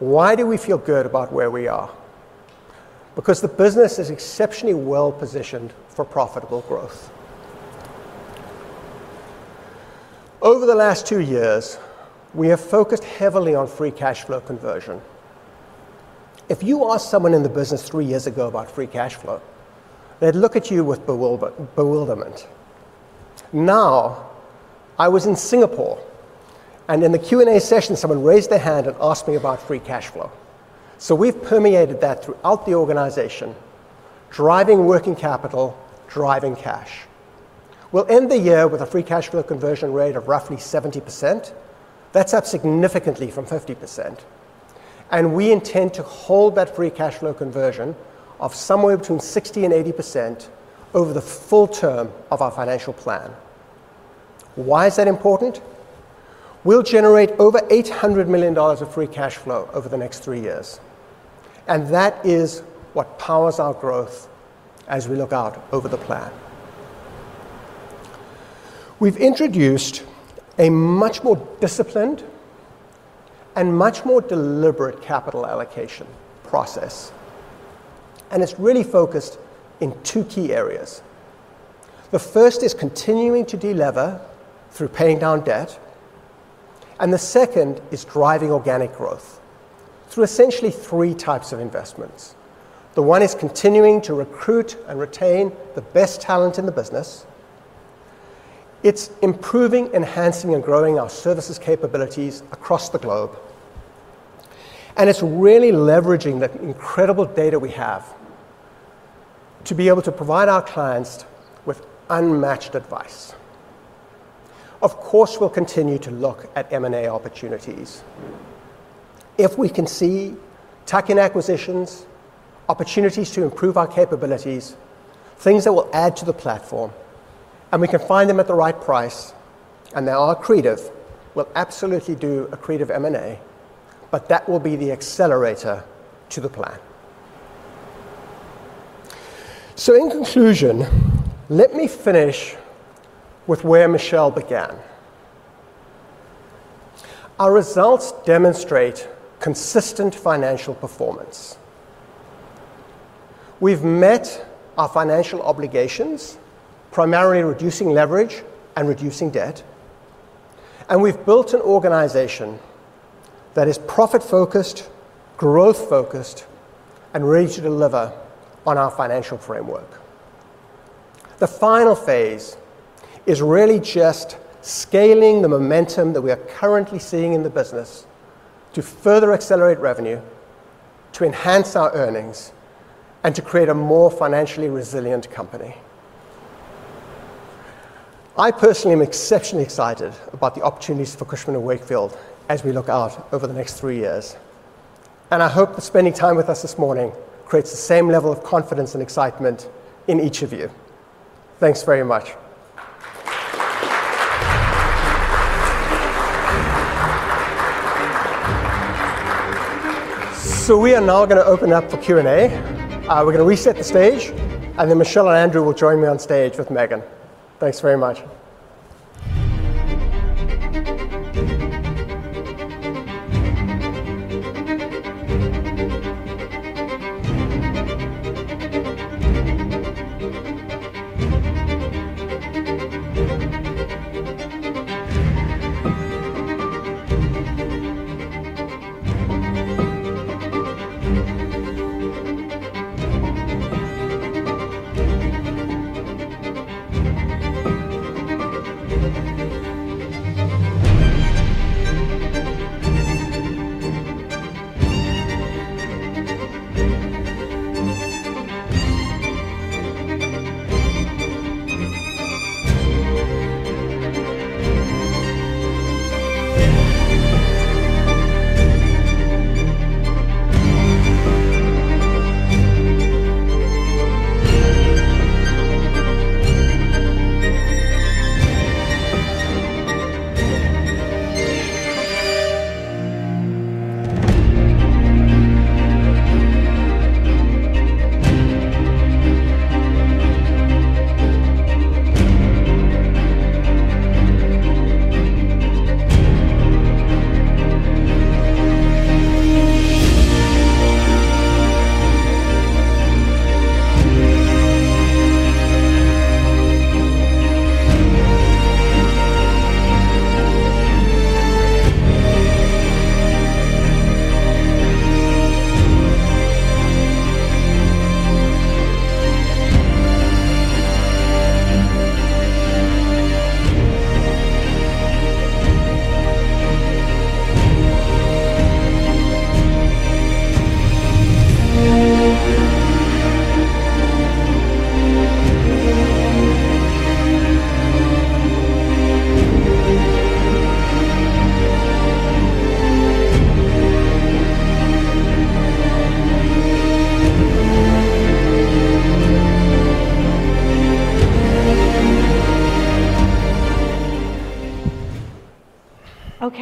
Why do we feel good about where we are? Because the business is exceptionally well-positioned for profitable growth. Over the last two years, we have focused heavily on free cash flow conversion. If you asked someone in the business three years ago about free cash flow, they'd look at you with bewilderment. Now, I was in Singapore, and in the Q&A session, someone raised their hand and asked me about free cash flow. So we've permeated that throughout the organization, driving working capital, driving cash. We'll end the year with a free cash flow conversion rate of roughly 70%. That's up significantly from 50%, and we intend to hold that free cash flow conversion of somewhere between 60%-80% over the full term of our financial plan. Why is that important? We'll generate over $800 million of free cash flow over the next three years, and that is what powers our growth as we look out over the plan. We've introduced a much more disciplined and much more deliberate capital allocation process. And it's really focused in two key areas. The first is continuing to delever through paying down debt. And the second is driving organic growth through essentially three types of investments. The one is continuing to recruit and retain the best talent in the business. It's improving, enhancing, and growing our services capabilities across the globe. And it's really leveraging the incredible data we have to be able to provide our clients with unmatched advice. Of course, we'll continue to look at M&A opportunities. If we can see tuck-in acquisitions, opportunities to improve our capabilities, things that will add to the platform, and we can find them at the right price, and they are accretive, we'll absolutely do accretive M&A. But that will be the accelerator to the plan. So in conclusion, let me finish with where Michelle began. Our results demonstrate consistent financial performance. We've met our financial obligations, primarily reducing leverage and reducing debt. And we've built an organization that is profit-focused, growth-focused, and ready to deliver on our financial framework. The final phase is really just scaling the momentum that we are currently seeing in the business to further accelerate revenue, to enhance our earnings, and to create a more financially resilient company. I personally am exceptionally excited about the opportunities for Cushman & Wakefield as we look out over the next three years. And I hope that spending time with us this morning creates the same level of confidence and excitement in each of you. Thanks very much. So we are now going to open up for Q&A. We're going to reset the stage. And then Michelle and Andrew will join me on stage with Megan. Thanks very much.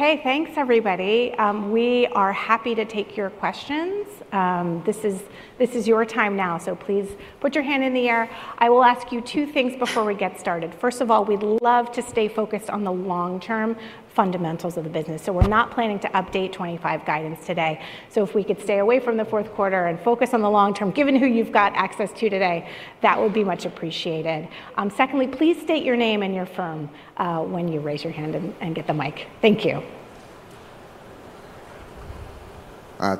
Okay, thanks, everybody. We are happy to take your questions. This is your time now. So please put your hand in the air. I will ask you two things before we get started. First of all, we'd love to stay focused on the long-term fundamentals of the business. So we're not planning to update 25 guidance today. So if we could stay away from the fourth quarter and focus on the long-term, given who you've got access to today, that would be much appreciated. Secondly, please state your name and your firm when you raise your hand and get the mic. Thank you.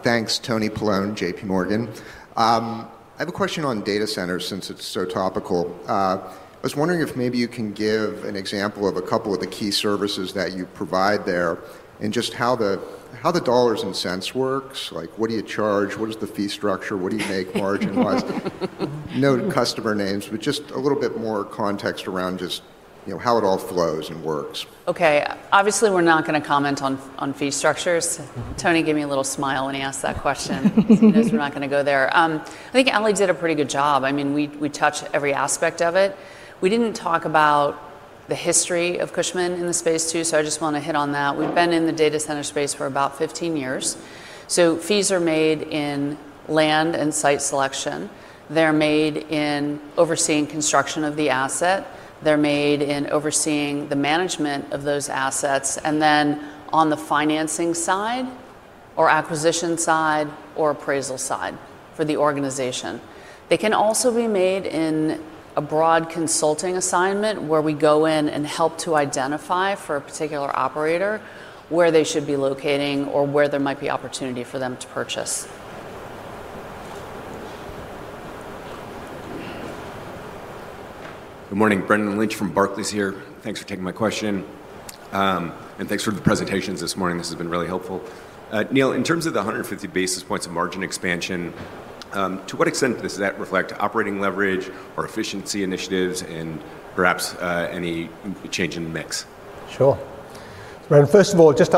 Thanks, Tony Paolone, JPMorgan. I have a question on data centers since it's so topical. I was wondering if maybe you can give an example of a couple of the key services that you provide there and just how the dollars and cents works. What do you charge? What is the fee structure? What do you make margin-wise? No customer names, but just a little bit more context around just how it all flows and works. Okay, obviously, we're not going to comment on fee structures. Tony, give me a little smile when he asks that question. He knows we're not going to go there. I think Ali did a pretty good job. I mean, we touched every aspect of it. We didn't talk about the history of Cushman in the space, too. So I just want to hit on that. We've been in the data center space for about 15 years. So fees are made in land and site selection. They're made in overseeing construction of the asset. They're made in overseeing the management of those assets. And then on the financing side, or acquisition side, or appraisal side for the organization, they can also be made in a broad consulting assignment where we go in and help to identify for a particular operator where they should be locating or where there might be opportunity for them to purchase. Good morning. Brendan Lynch from Barclays here. Thanks for taking my question. And thanks for the presentations this morning. This has been really helpful. Neil, in terms of the 150 basis points of margin expansion, to what extent does that reflect operating leverage or efficiency initiatives and perhaps any change in the mix? Sure. Brendan, first of all, just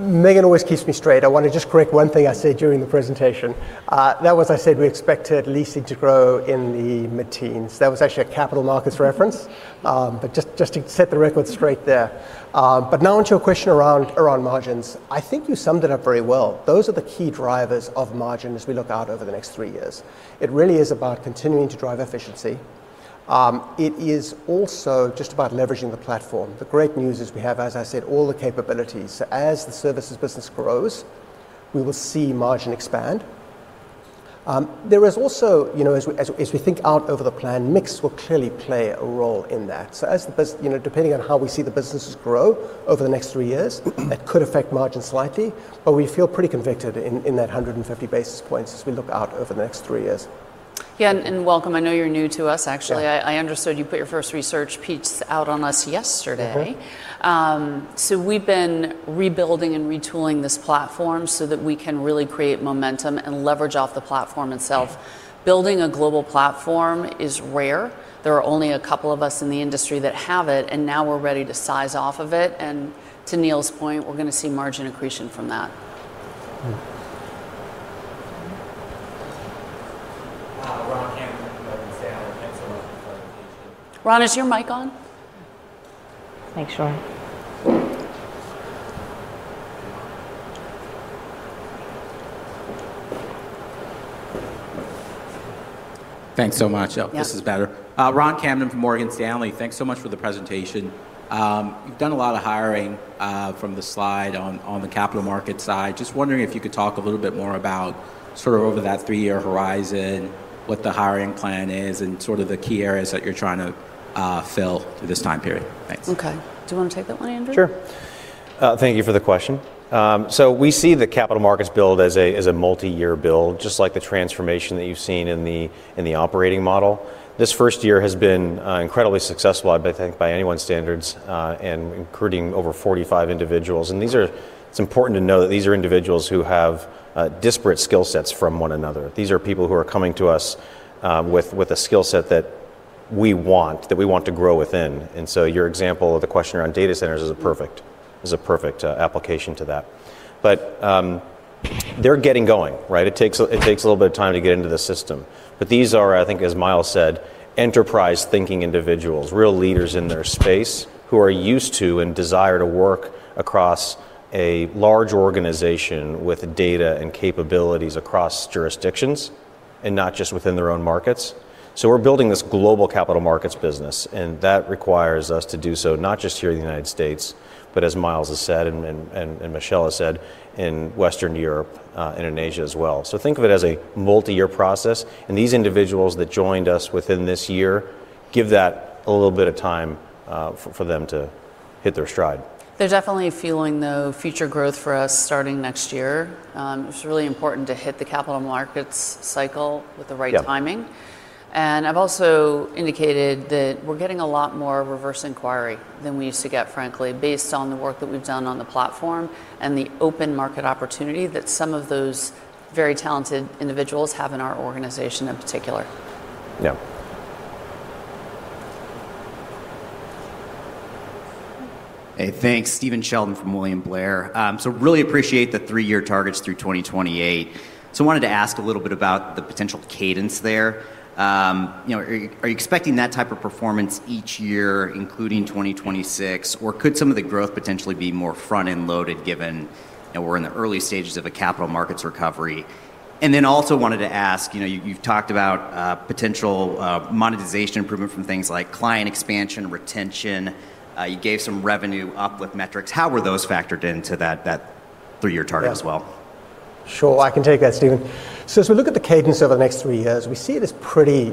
Megan always keeps me straight. I want to just correct one thing I said during the presentation. That was. I said we expected leasing to grow in the mid-teens. That was actually a capital markets reference. But just to set the record straight there. But now onto a question around margins. I think you summed it up very well. Those are the key drivers of margin as we look out over the next three years. It really is about continuing to drive efficiency. It is also just about leveraging the platform. The great news is we have, as I said, all the capabilities. So as the services business grows, we will see margin expand. There is also, as we think out over the plan, mix will clearly play a role in that. So depending on how we see the businesses grow over the next three years, that could affect margin slightly. But we feel pretty convicted in that 150 basis points as we look out over the next three years. Yeah, and welcome. I know you're new to us, actually. I understood you put your first research piece out on us yesterday. So we've been rebuilding and retooling this platform so that we can really create momentum and leverage off the platform itself. Building a global platform is rare. There are only a couple of us in the industry that have it. And now we're ready to size off of it. And to Neil's point, we're going to see margin accretion from that. Ron, is your mic on? Make sure. Thanks so much. This is better. Ron Kamdem from Morgan Stanley, thanks so much for the presentation. You've done a lot of hiring, from the slide on the capital market side. Just wondering if you could talk a little bit more about sort of over that three-year horizon, what the hiring plan is, and sort of the key areas that you're trying to fill through this time period. Thanks. Okay. Do you want to take that one, Andrew? Sure. Thank you for the question. So we see the capital markets build as a multi-year build, just like the transformation that you've seen in the operating model. This first year has been incredibly successful, I think, by anyone's standards, and including over 45 individuals. And it's important to know that these are individuals who have disparate skill sets from one another. These are people who are coming to us with a skill set that we want, that we want to grow within. And so your example of the question around data centers is a perfect application to that. But they're getting going, right? It takes a little bit of time to get into the system. But these are, I think, as Miles said, enterprise-thinking individuals, real leaders in their space who are used to and desire to work across a large organization with data and capabilities across jurisdictions and not just within their own markets. So we're building this global capital markets business. And that requires us to do so not just here in the United States, but as Miles has said and Michelle has said, in Western Europe and in Asia as well. So think of it as a multi-year process. And these individuals that joined us within this year give that a little bit of time for them to hit their stride. They're definitely fueling the future growth for us starting next year. It's really important to hit the capital markets cycle with the right timing. And I've also indicated that we're getting a lot more reverse inquiry than we used to get, frankly, based on the work that we've done on the platform and the open market opportunity that some of those very talented individuals have in our organization in particular. Yeah. Hey, thanks. Stephen Sheldon from William Blair. So really appreciate the three-year targets through 2028. So I wanted to ask a little bit about the potential cadence there. Are you expecting that type of performance each year, including 2026? Or could some of the growth potentially be more front-end loaded given we're in the early stages of a capital markets recovery? And then also wanted to ask, you've talked about potential monetization improvement from things like client expansion, retention. You gave some revenue uplift metrics. How were those factored into that three-year target as well? Sure. I can take that, Stephen. So as we look at the cadence over the next three years, we see it as pretty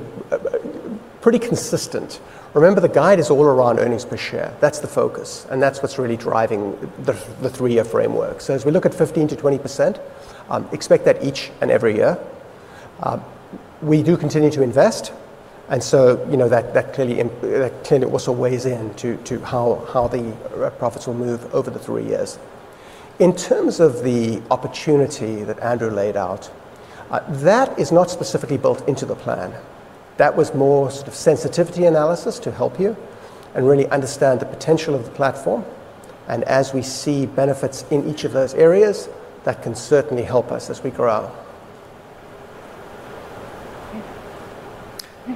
consistent. Remember, the guide is all around earnings per share. That's the focus. And that's what's really driving the three-year framework. So as we look at 15%-20%, expect that each and every year. We do continue to invest. And so that clearly also weighs into how the profits will move over the three years. In terms of the opportunity that Andrew laid out, that is not specifically built into the plan. That was more sort of sensitivity analysis to help you and really understand the potential of the platform. And as we see benefits in each of those areas, that can certainly help us as we grow.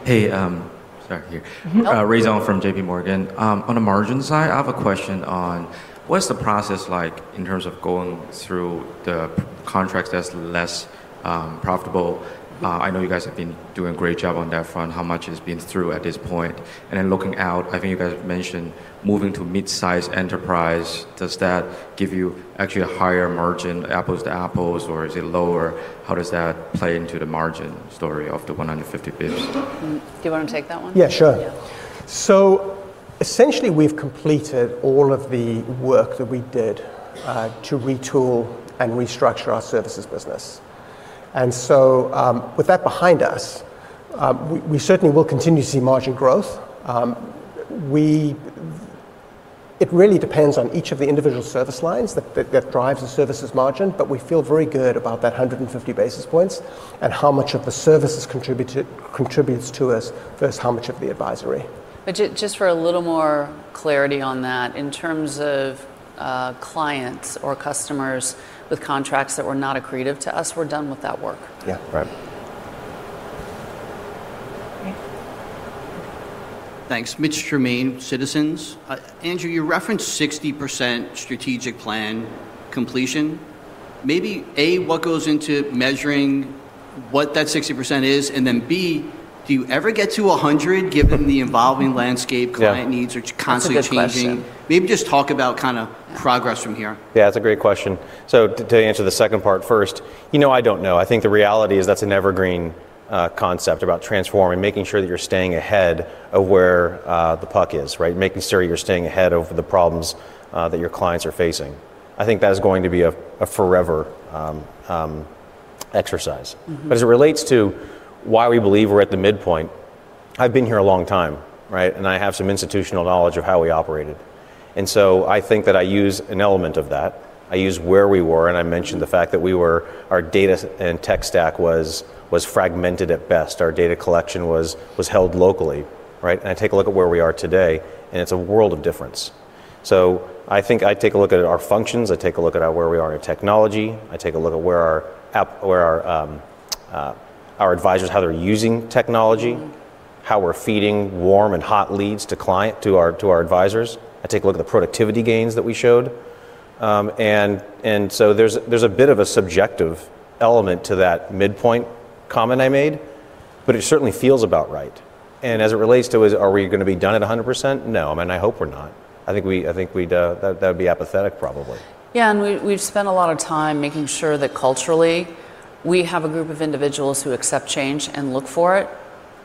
Hey, sorry to hear. Question from JPMorgan. On a margin side, I have a question on what's the process like in terms of going through the contracts that's less profitable? I know you guys have been doing a great job on that front. How much has been through at this point? And then looking out, I think you guys mentioned moving to mid-size enterprise. Does that give you actually a higher margin, apples to apples, or is it lower? How does that play into the margin story of the 150 basis points? Do you want to take that one? Yeah, sure. So essentially, we've completed all of the work that we did to retool and restructure our services business. And so with that behind us, we certainly will continue to see margin growth. It really depends on each of the individual service lines that drives the services margin. But we feel very good about that 150 basis points and how much of the services contributes to us versus how much of the advisory. But just for a little more clarity on that, in terms of clients or customers with contracts that were not accretive to us, we're done with that work. Yeah, right. Thanks. Mitch Germain, Citizens. Andrew, you referenced 60% strategic plan completion. Maybe A, what goes into measuring what that 60% is? And then B, do you ever get to 100 given the evolving landscape, client needs, or constantly changing? Maybe just talk about kind of progress from here. Yeah, that's a great question. So to answer the second part first, you know I don't know. I think the reality is that's an evergreen concept about transforming, making sure that you're staying ahead of where the puck is, right? Making sure you're staying ahead of the problems that your clients are facing. I think that is going to be a forever exercise. But as it relates to why we believe we're at the midpoint, I've been here a long time, right? And I have some institutional knowledge of how we operated. And so I think that I use an element of that. I use where we were. And I mentioned the fact that our data and tech stack was fragmented at best. Our data collection was held locally, right? And I take a look at where we are today, and it's a world of difference. So I think I take a look at our functions. I take a look at where we are in technology. I take a look at where our advisors, how they're using technology, how we're feeding warm and hot leads to our advisors. I take a look at the productivity gains that we showed, and so there's a bit of a subjective element to that midpoint comment I made, but it certainly feels about right, and as it relates to, are we going to be done at 100%? No. I mean, I hope we're not. I think that would be apathetic, probably. Yeah, and we've spent a lot of time making sure that culturally, we have a group of individuals who accept change and look for it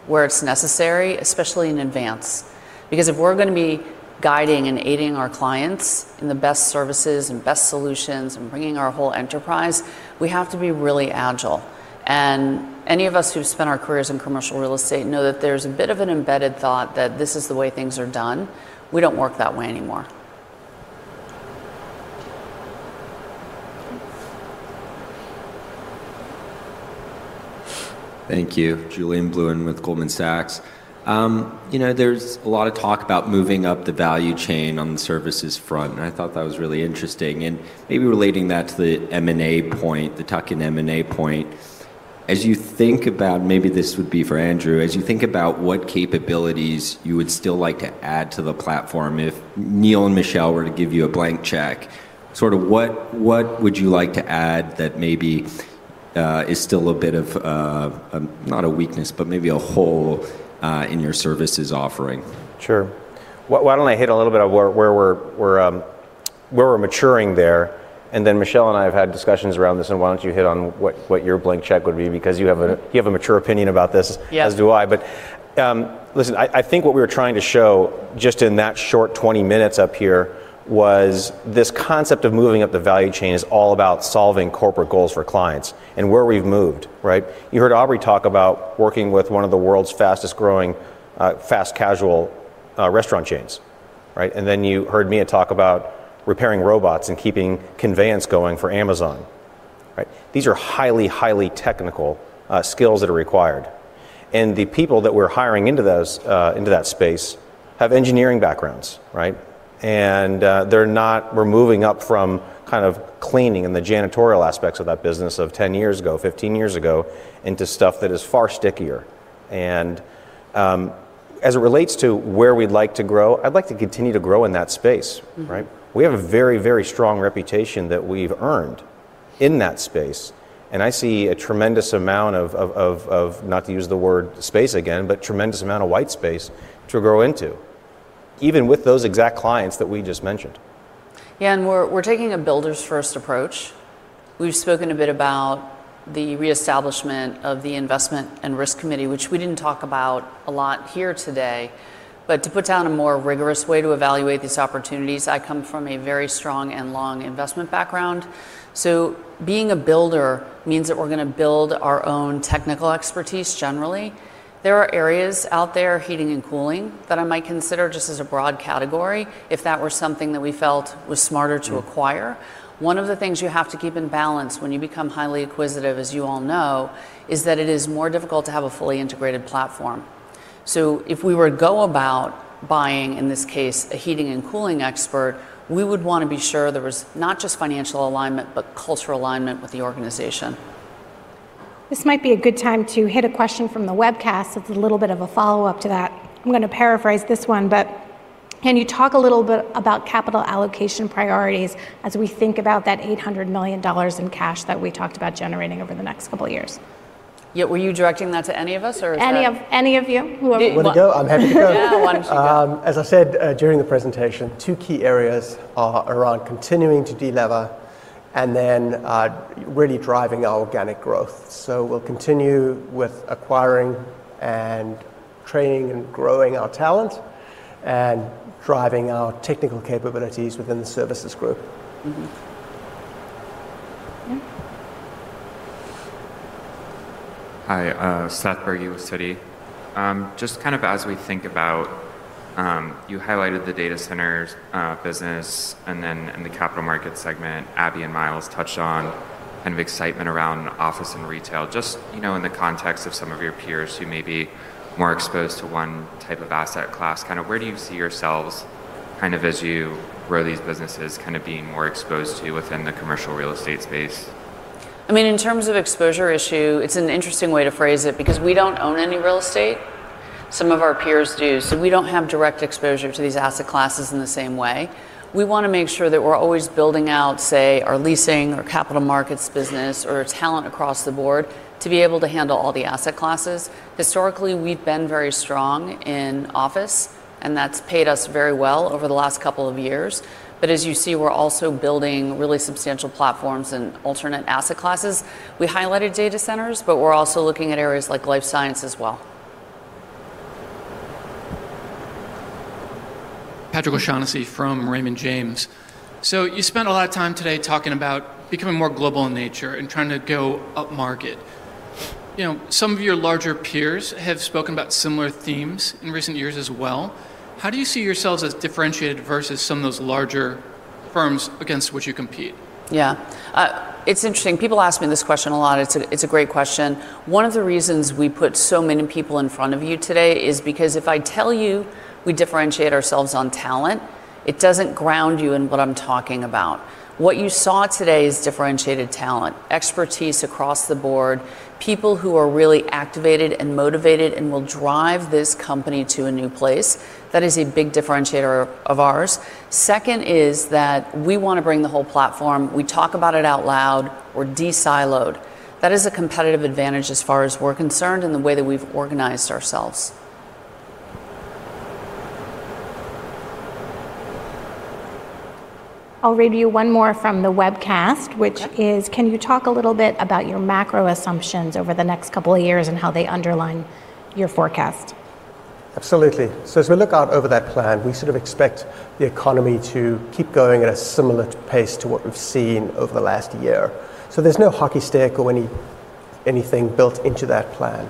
where it's necessary, especially in advance, because if we're going to be guiding and aiding our clients in the best services and best solutions and bringing our whole enterprise, we have to be really agile, and any of us who've spent our careers in commercial real estate know that there's a bit of an embedded thought that this is the way things are done. We don't work that way anymore. Thank you. Julien Blouin with Goldman Sachs. There's a lot of talk about moving up the value chain on the services front. And I thought that was really interesting. And maybe relating that to the M&A point, the tuck-in M&A point, as you think about, maybe this would be for Andrew, as you think about what capabilities you would still like to add to the platform if Neil and Michelle were to give you a blank check, sort of what would you like to add that maybe is still a bit of not a weakness, but maybe a hole in your services offering? Sure. Why don't I hit a little bit of where we're maturing there? And then Michelle and I have had discussions around this. And why don't you hit on what your blank check would be? Because you have a mature opinion about this, as do I, but listen, I think what we were trying to show just in that short 20 minutes up here was this concept of moving up the value chain is all about solving corporate goals for clients and where we've moved, right? You heard Aubrey talk about working with one of the world's fastest-growing fast casual restaurant chains, right? And then you heard me talk about repairing robots and keeping conveyance going for Amazon, right? These are highly, highly technical skills that are required. And the people that we're hiring into that space have engineering backgrounds, right? And we're moving up from kind of cleaning and the janitorial aspects of that business of 10 years ago, 15 years ago into stuff that is far stickier. And as it relates to where we'd like to grow, I'd like to continue to grow in that space, right? We have a very, very strong reputation that we've earned in that space. And I see a tremendous amount of, not to use the word space again, but tremendous amount of white space to grow into, even with those exact clients that we just mentioned. Yeah. And we're taking a builders-first approach. We've spoken a bit about the reestablishment of the investment and risk committee, which we didn't talk about a lot here today. But to put down a more rigorous way to evaluate these opportunities, I come from a very strong and long investment background. So being a builder means that we're going to build our own technical expertise generally. There are areas out there, heating and cooling, that I might consider just as a broad category if that were something that we felt was smarter to acquire. One of the things you have to keep in balance when you become highly acquisitive, as you all know, is that it is more difficult to have a fully integrated platform. So if we were to go about buying, in this case, a heating and cooling expert, we would want to be sure there was not just financial alignment, but cultural alignment with the organization. This might be a good time to hit a question from the webcast. It's a little bit of a follow-up to that. I'm going to paraphrase this one. But can you talk a little bit about capital allocation priorities as we think about that $800 million in cash that we talked about generating over the next couple of years? Yeah. Were you directing that to any of us, or is that? Any of you? Whoever you are. I'm happy to go. As I said during the presentation, two key areas are around continuing to delever and then really driving our organic growth. So we'll continue with acquiring and training and growing our talent and driving our technical capabilities within the services group. Hi. Seth Bergey, Citi. Just kind of as we think about, you highlighted the data centers business and then the capital market segment. Abby and Miles touched on kind of excitement around office and retail. Just in the context of some of your peers who may be more exposed to one type of asset class, kind of where do you see yourselves kind of as you grow these businesses kind of being more exposed to within the commercial real estate space? I mean, in terms of exposure issue, it's an interesting way to phrase it because we don't own any real estate. Some of our peers do. So we don't have direct exposure to these asset classes in the same way. We want to make sure that we're always building out, say, our leasing, our capital markets business, or talent across the board to be able to handle all the asset classes. Historically, we've been very strong in office, and that's paid us very well over the last couple of years. But as you see, we're also building really substantial platforms and alternative asset classes. We highlighted data centers, but we're also looking at areas like life science as well. Patrick O'Shaughnessy from Raymond James. So you spent a lot of time today talking about becoming more global in nature and trying to go upmarket. Some of your larger peers have spoken about similar themes in recent years as well. How do you see yourselves as differentiated versus some of those larger firms against which you compete? Yeah. It's interesting. People ask me this question a lot. It's a great question. One of the reasons we put so many people in front of you today is because if I tell you we differentiate ourselves on talent, it doesn't ground you in what I'm talking about. What you saw today is differentiated talent, expertise across the board, people who are really activated and motivated and will drive this company to a new place. That is a big differentiator of ours. Second is that we want to bring the whole platform. We talk about it out loud. We're de-siloed. That is a competitive advantage as far as we're concerned in the way that we've organized ourselves. I'll read you one more from the webcast, which is, can you talk a little bit about your macro assumptions over the next couple of years and how they underlie your forecast? Absolutely. So as we look out over that plan, we sort of expect the economy to keep going at a similar pace to what we've seen over the last year. So there's no hockey stick or anything built into that plan.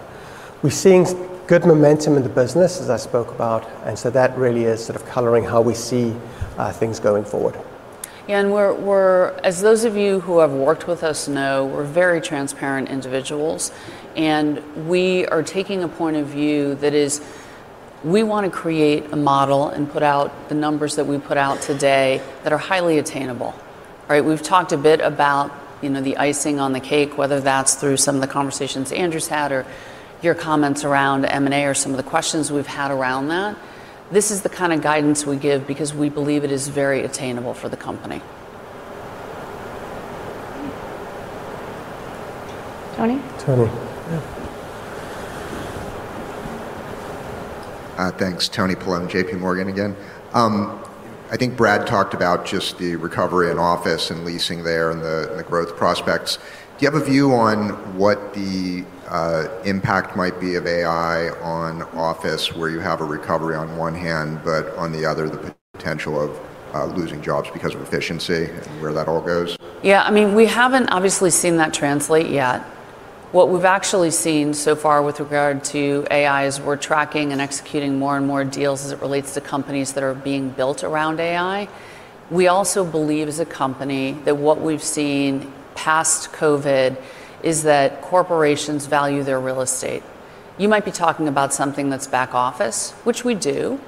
We're seeing good momentum in the business, as I spoke about. And so that really is sort of coloring how we see things going forward. Yeah. As those of you who have worked with us know, we're very transparent individuals. We are taking a point of view that is we want to create a model and put out the numbers that we put out today that are highly attainable, right? We've talked a bit about the icing on the cake, whether that's through some of the conversations Andrew's had or your comments around M&A or some of the questions we've had around that. This is the kind of guidance we give because we believe it is very attainable for the company. Tony? Tony. Yeah. Thanks, Tony Paolone, JPMorgan again. I think Brad talked about just the recovery in office and leasing there and the growth prospects. Do you have a view on what the impact might be of AI on office where you have a recovery on one hand, but on the other, the potential of losing jobs because of efficiency and where that all goes? Yeah. I mean, we haven't obviously seen that translate yet. What we've actually seen so far with regard to AI is we're tracking and executing more and more deals as it relates to companies that are being built around AI. We also believe as a company that what we've seen past COVID is that corporations value their real estate. You might be talking about something that's back office, which we do,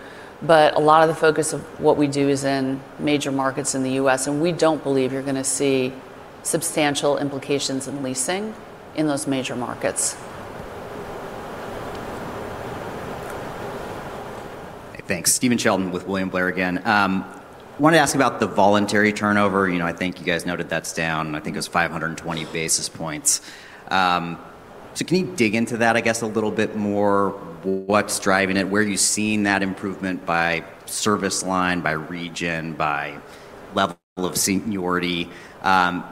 but a lot of the focus of what we do is in major markets in the U.S., and we don't believe you're going to see substantial implications in leasing in those major markets. Thanks. Stephen Sheldon with William Blair again. I wanted to ask about the voluntary turnover. I think you guys noted that's down. I think it was 520 basis points. So can you dig into that, I guess, a little bit more? What's driving it? Where are you seeing that improvement by service line, by region, by level of seniority? And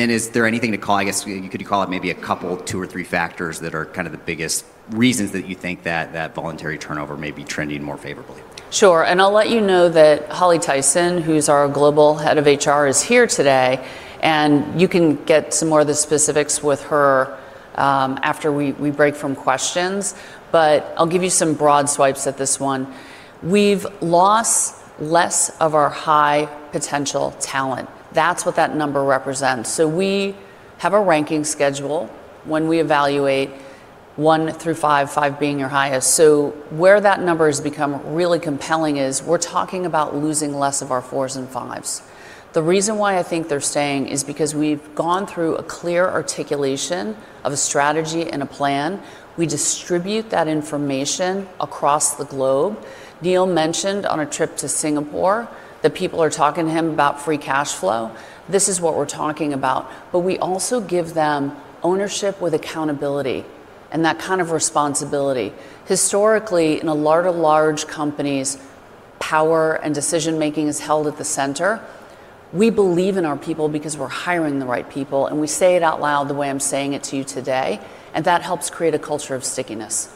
then is there anything to call, I guess you could call it maybe a couple, two or three factors that are kind of the biggest reasons that you think that voluntary turnover may be trending more favorably? Sure. And I'll let you know that Holly Tyson, who's our Global Head of HR, is here today. And you can get some more of the specifics with her after we break from questions. But I'll give you some broad swipes at this one. We've lost less of our high potential talent. That's what that number represents. So we have a ranking schedule when we evaluate one through five, five being your highest. So where that number has become really compelling is we're talking about losing less of our fours and fives. The reason why I think they're staying is because we've gone through a clear articulation of a strategy and a plan. We distribute that information across the globe. Neil mentioned on a trip to Singapore that people are talking to him about free cash flow. This is what we're talking about. But we also give them ownership with accountability and that kind of responsibility. Historically, in a lot of large companies, power and decision-making is held at the center. We believe in our people because we're hiring the right people. And we say it out loud the way I'm saying it to you today. That helps create a culture of stickiness.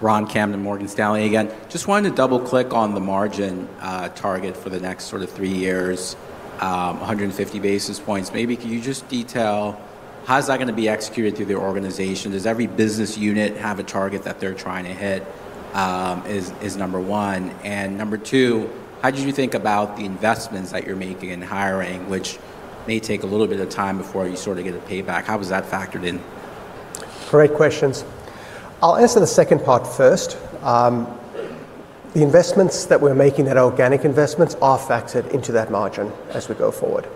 Ron Kamdem, Morgan Stanley, again. Just wanted to double-click on the margin target for the next sort of three years, 150 basis points. Maybe could you just detail how is that going to be executed through the organization? Does every business unit have a target that they're trying to hit? Is number one. And number two, how did you think about the investments that you're making and hiring, which may take a little bit of time before you sort of get a payback? How was that factored in? Great questions. I'll answer the second part first. The investments that we're making, that organic investments, are factored into that margin as we go forward.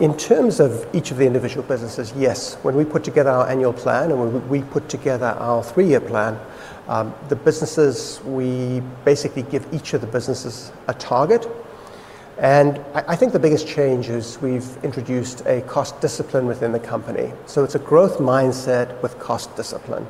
In terms of each of the individual businesses, yes. When we put together our annual plan and when we put together our three-year plan, the businesses, we basically give each of the businesses a target. And I think the biggest change is we've introduced a cost discipline within the company. So it's a growth mindset with cost discipline.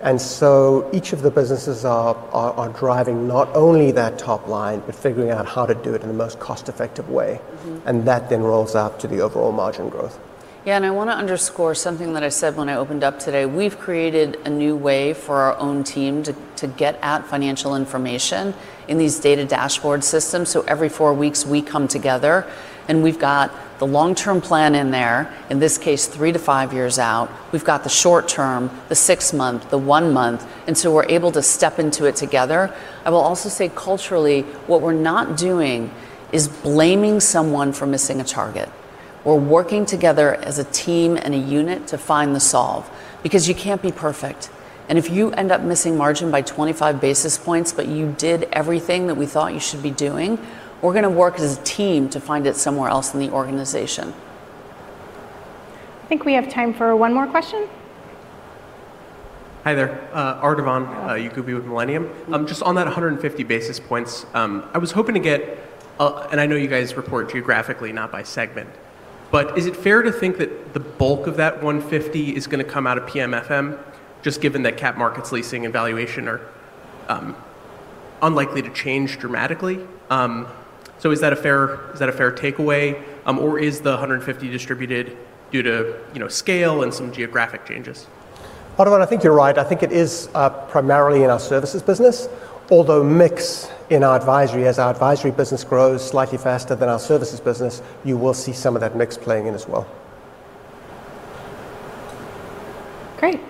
And so each of the businesses are driving not only that top line, but figuring out how to do it in the most cost-effective way. And that then rolls out to the overall margin growth. Yeah. And I want to underscore something that I said when I opened up today. We've created a new way for our own team to get at financial information in these data dashboard systems. So every four weeks, we come together, and we've got the long-term plan in there, in this case, 3-5 years out. We've got the short term, the six-month, the one-month. And so we're able to step into it together. I will also say culturally, what we're not doing is blaming someone for missing a target. We're working together as a team and a unit to find the solve because you can't be perfect. And if you end up missing margin by 25 basis points, but you did everything that we thought you should be doing, we're going to work as a team to find it somewhere else in the organization. I think we have time for one more question. Hi there. Ardevan Yaghoubi with Millennium. Just on that 150 basis points, I was hoping to get, and I know you guys report geographically, not by segment, but is it fair to think that the bulk of that 150 is going to come out of PMFM, just given that cap markets leasing and valuation are unlikely to change dramatically? So is that a fair takeaway, or is the 150 distributed due to scale and some geographic changes? Ardevan, I think you're right. I think it is primarily in our services business. Although mix in our advisory, as our advisory business grows slightly faster than our services business, you will see some of that mix playing in as well. Great.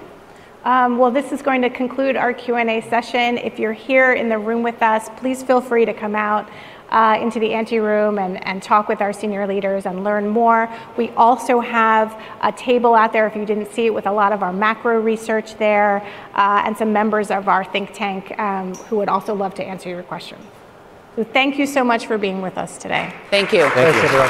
Well, this is going to conclude our Q&A session. If you're here in the room with us, please feel free to come out into the ante room and talk with our senior leaders and learn more. We also have a table out there, if you didn't see it, with a lot of our macro research there and some members of our think tank who would also love to answer your questions. So thank you so much for being with us today. Thank you.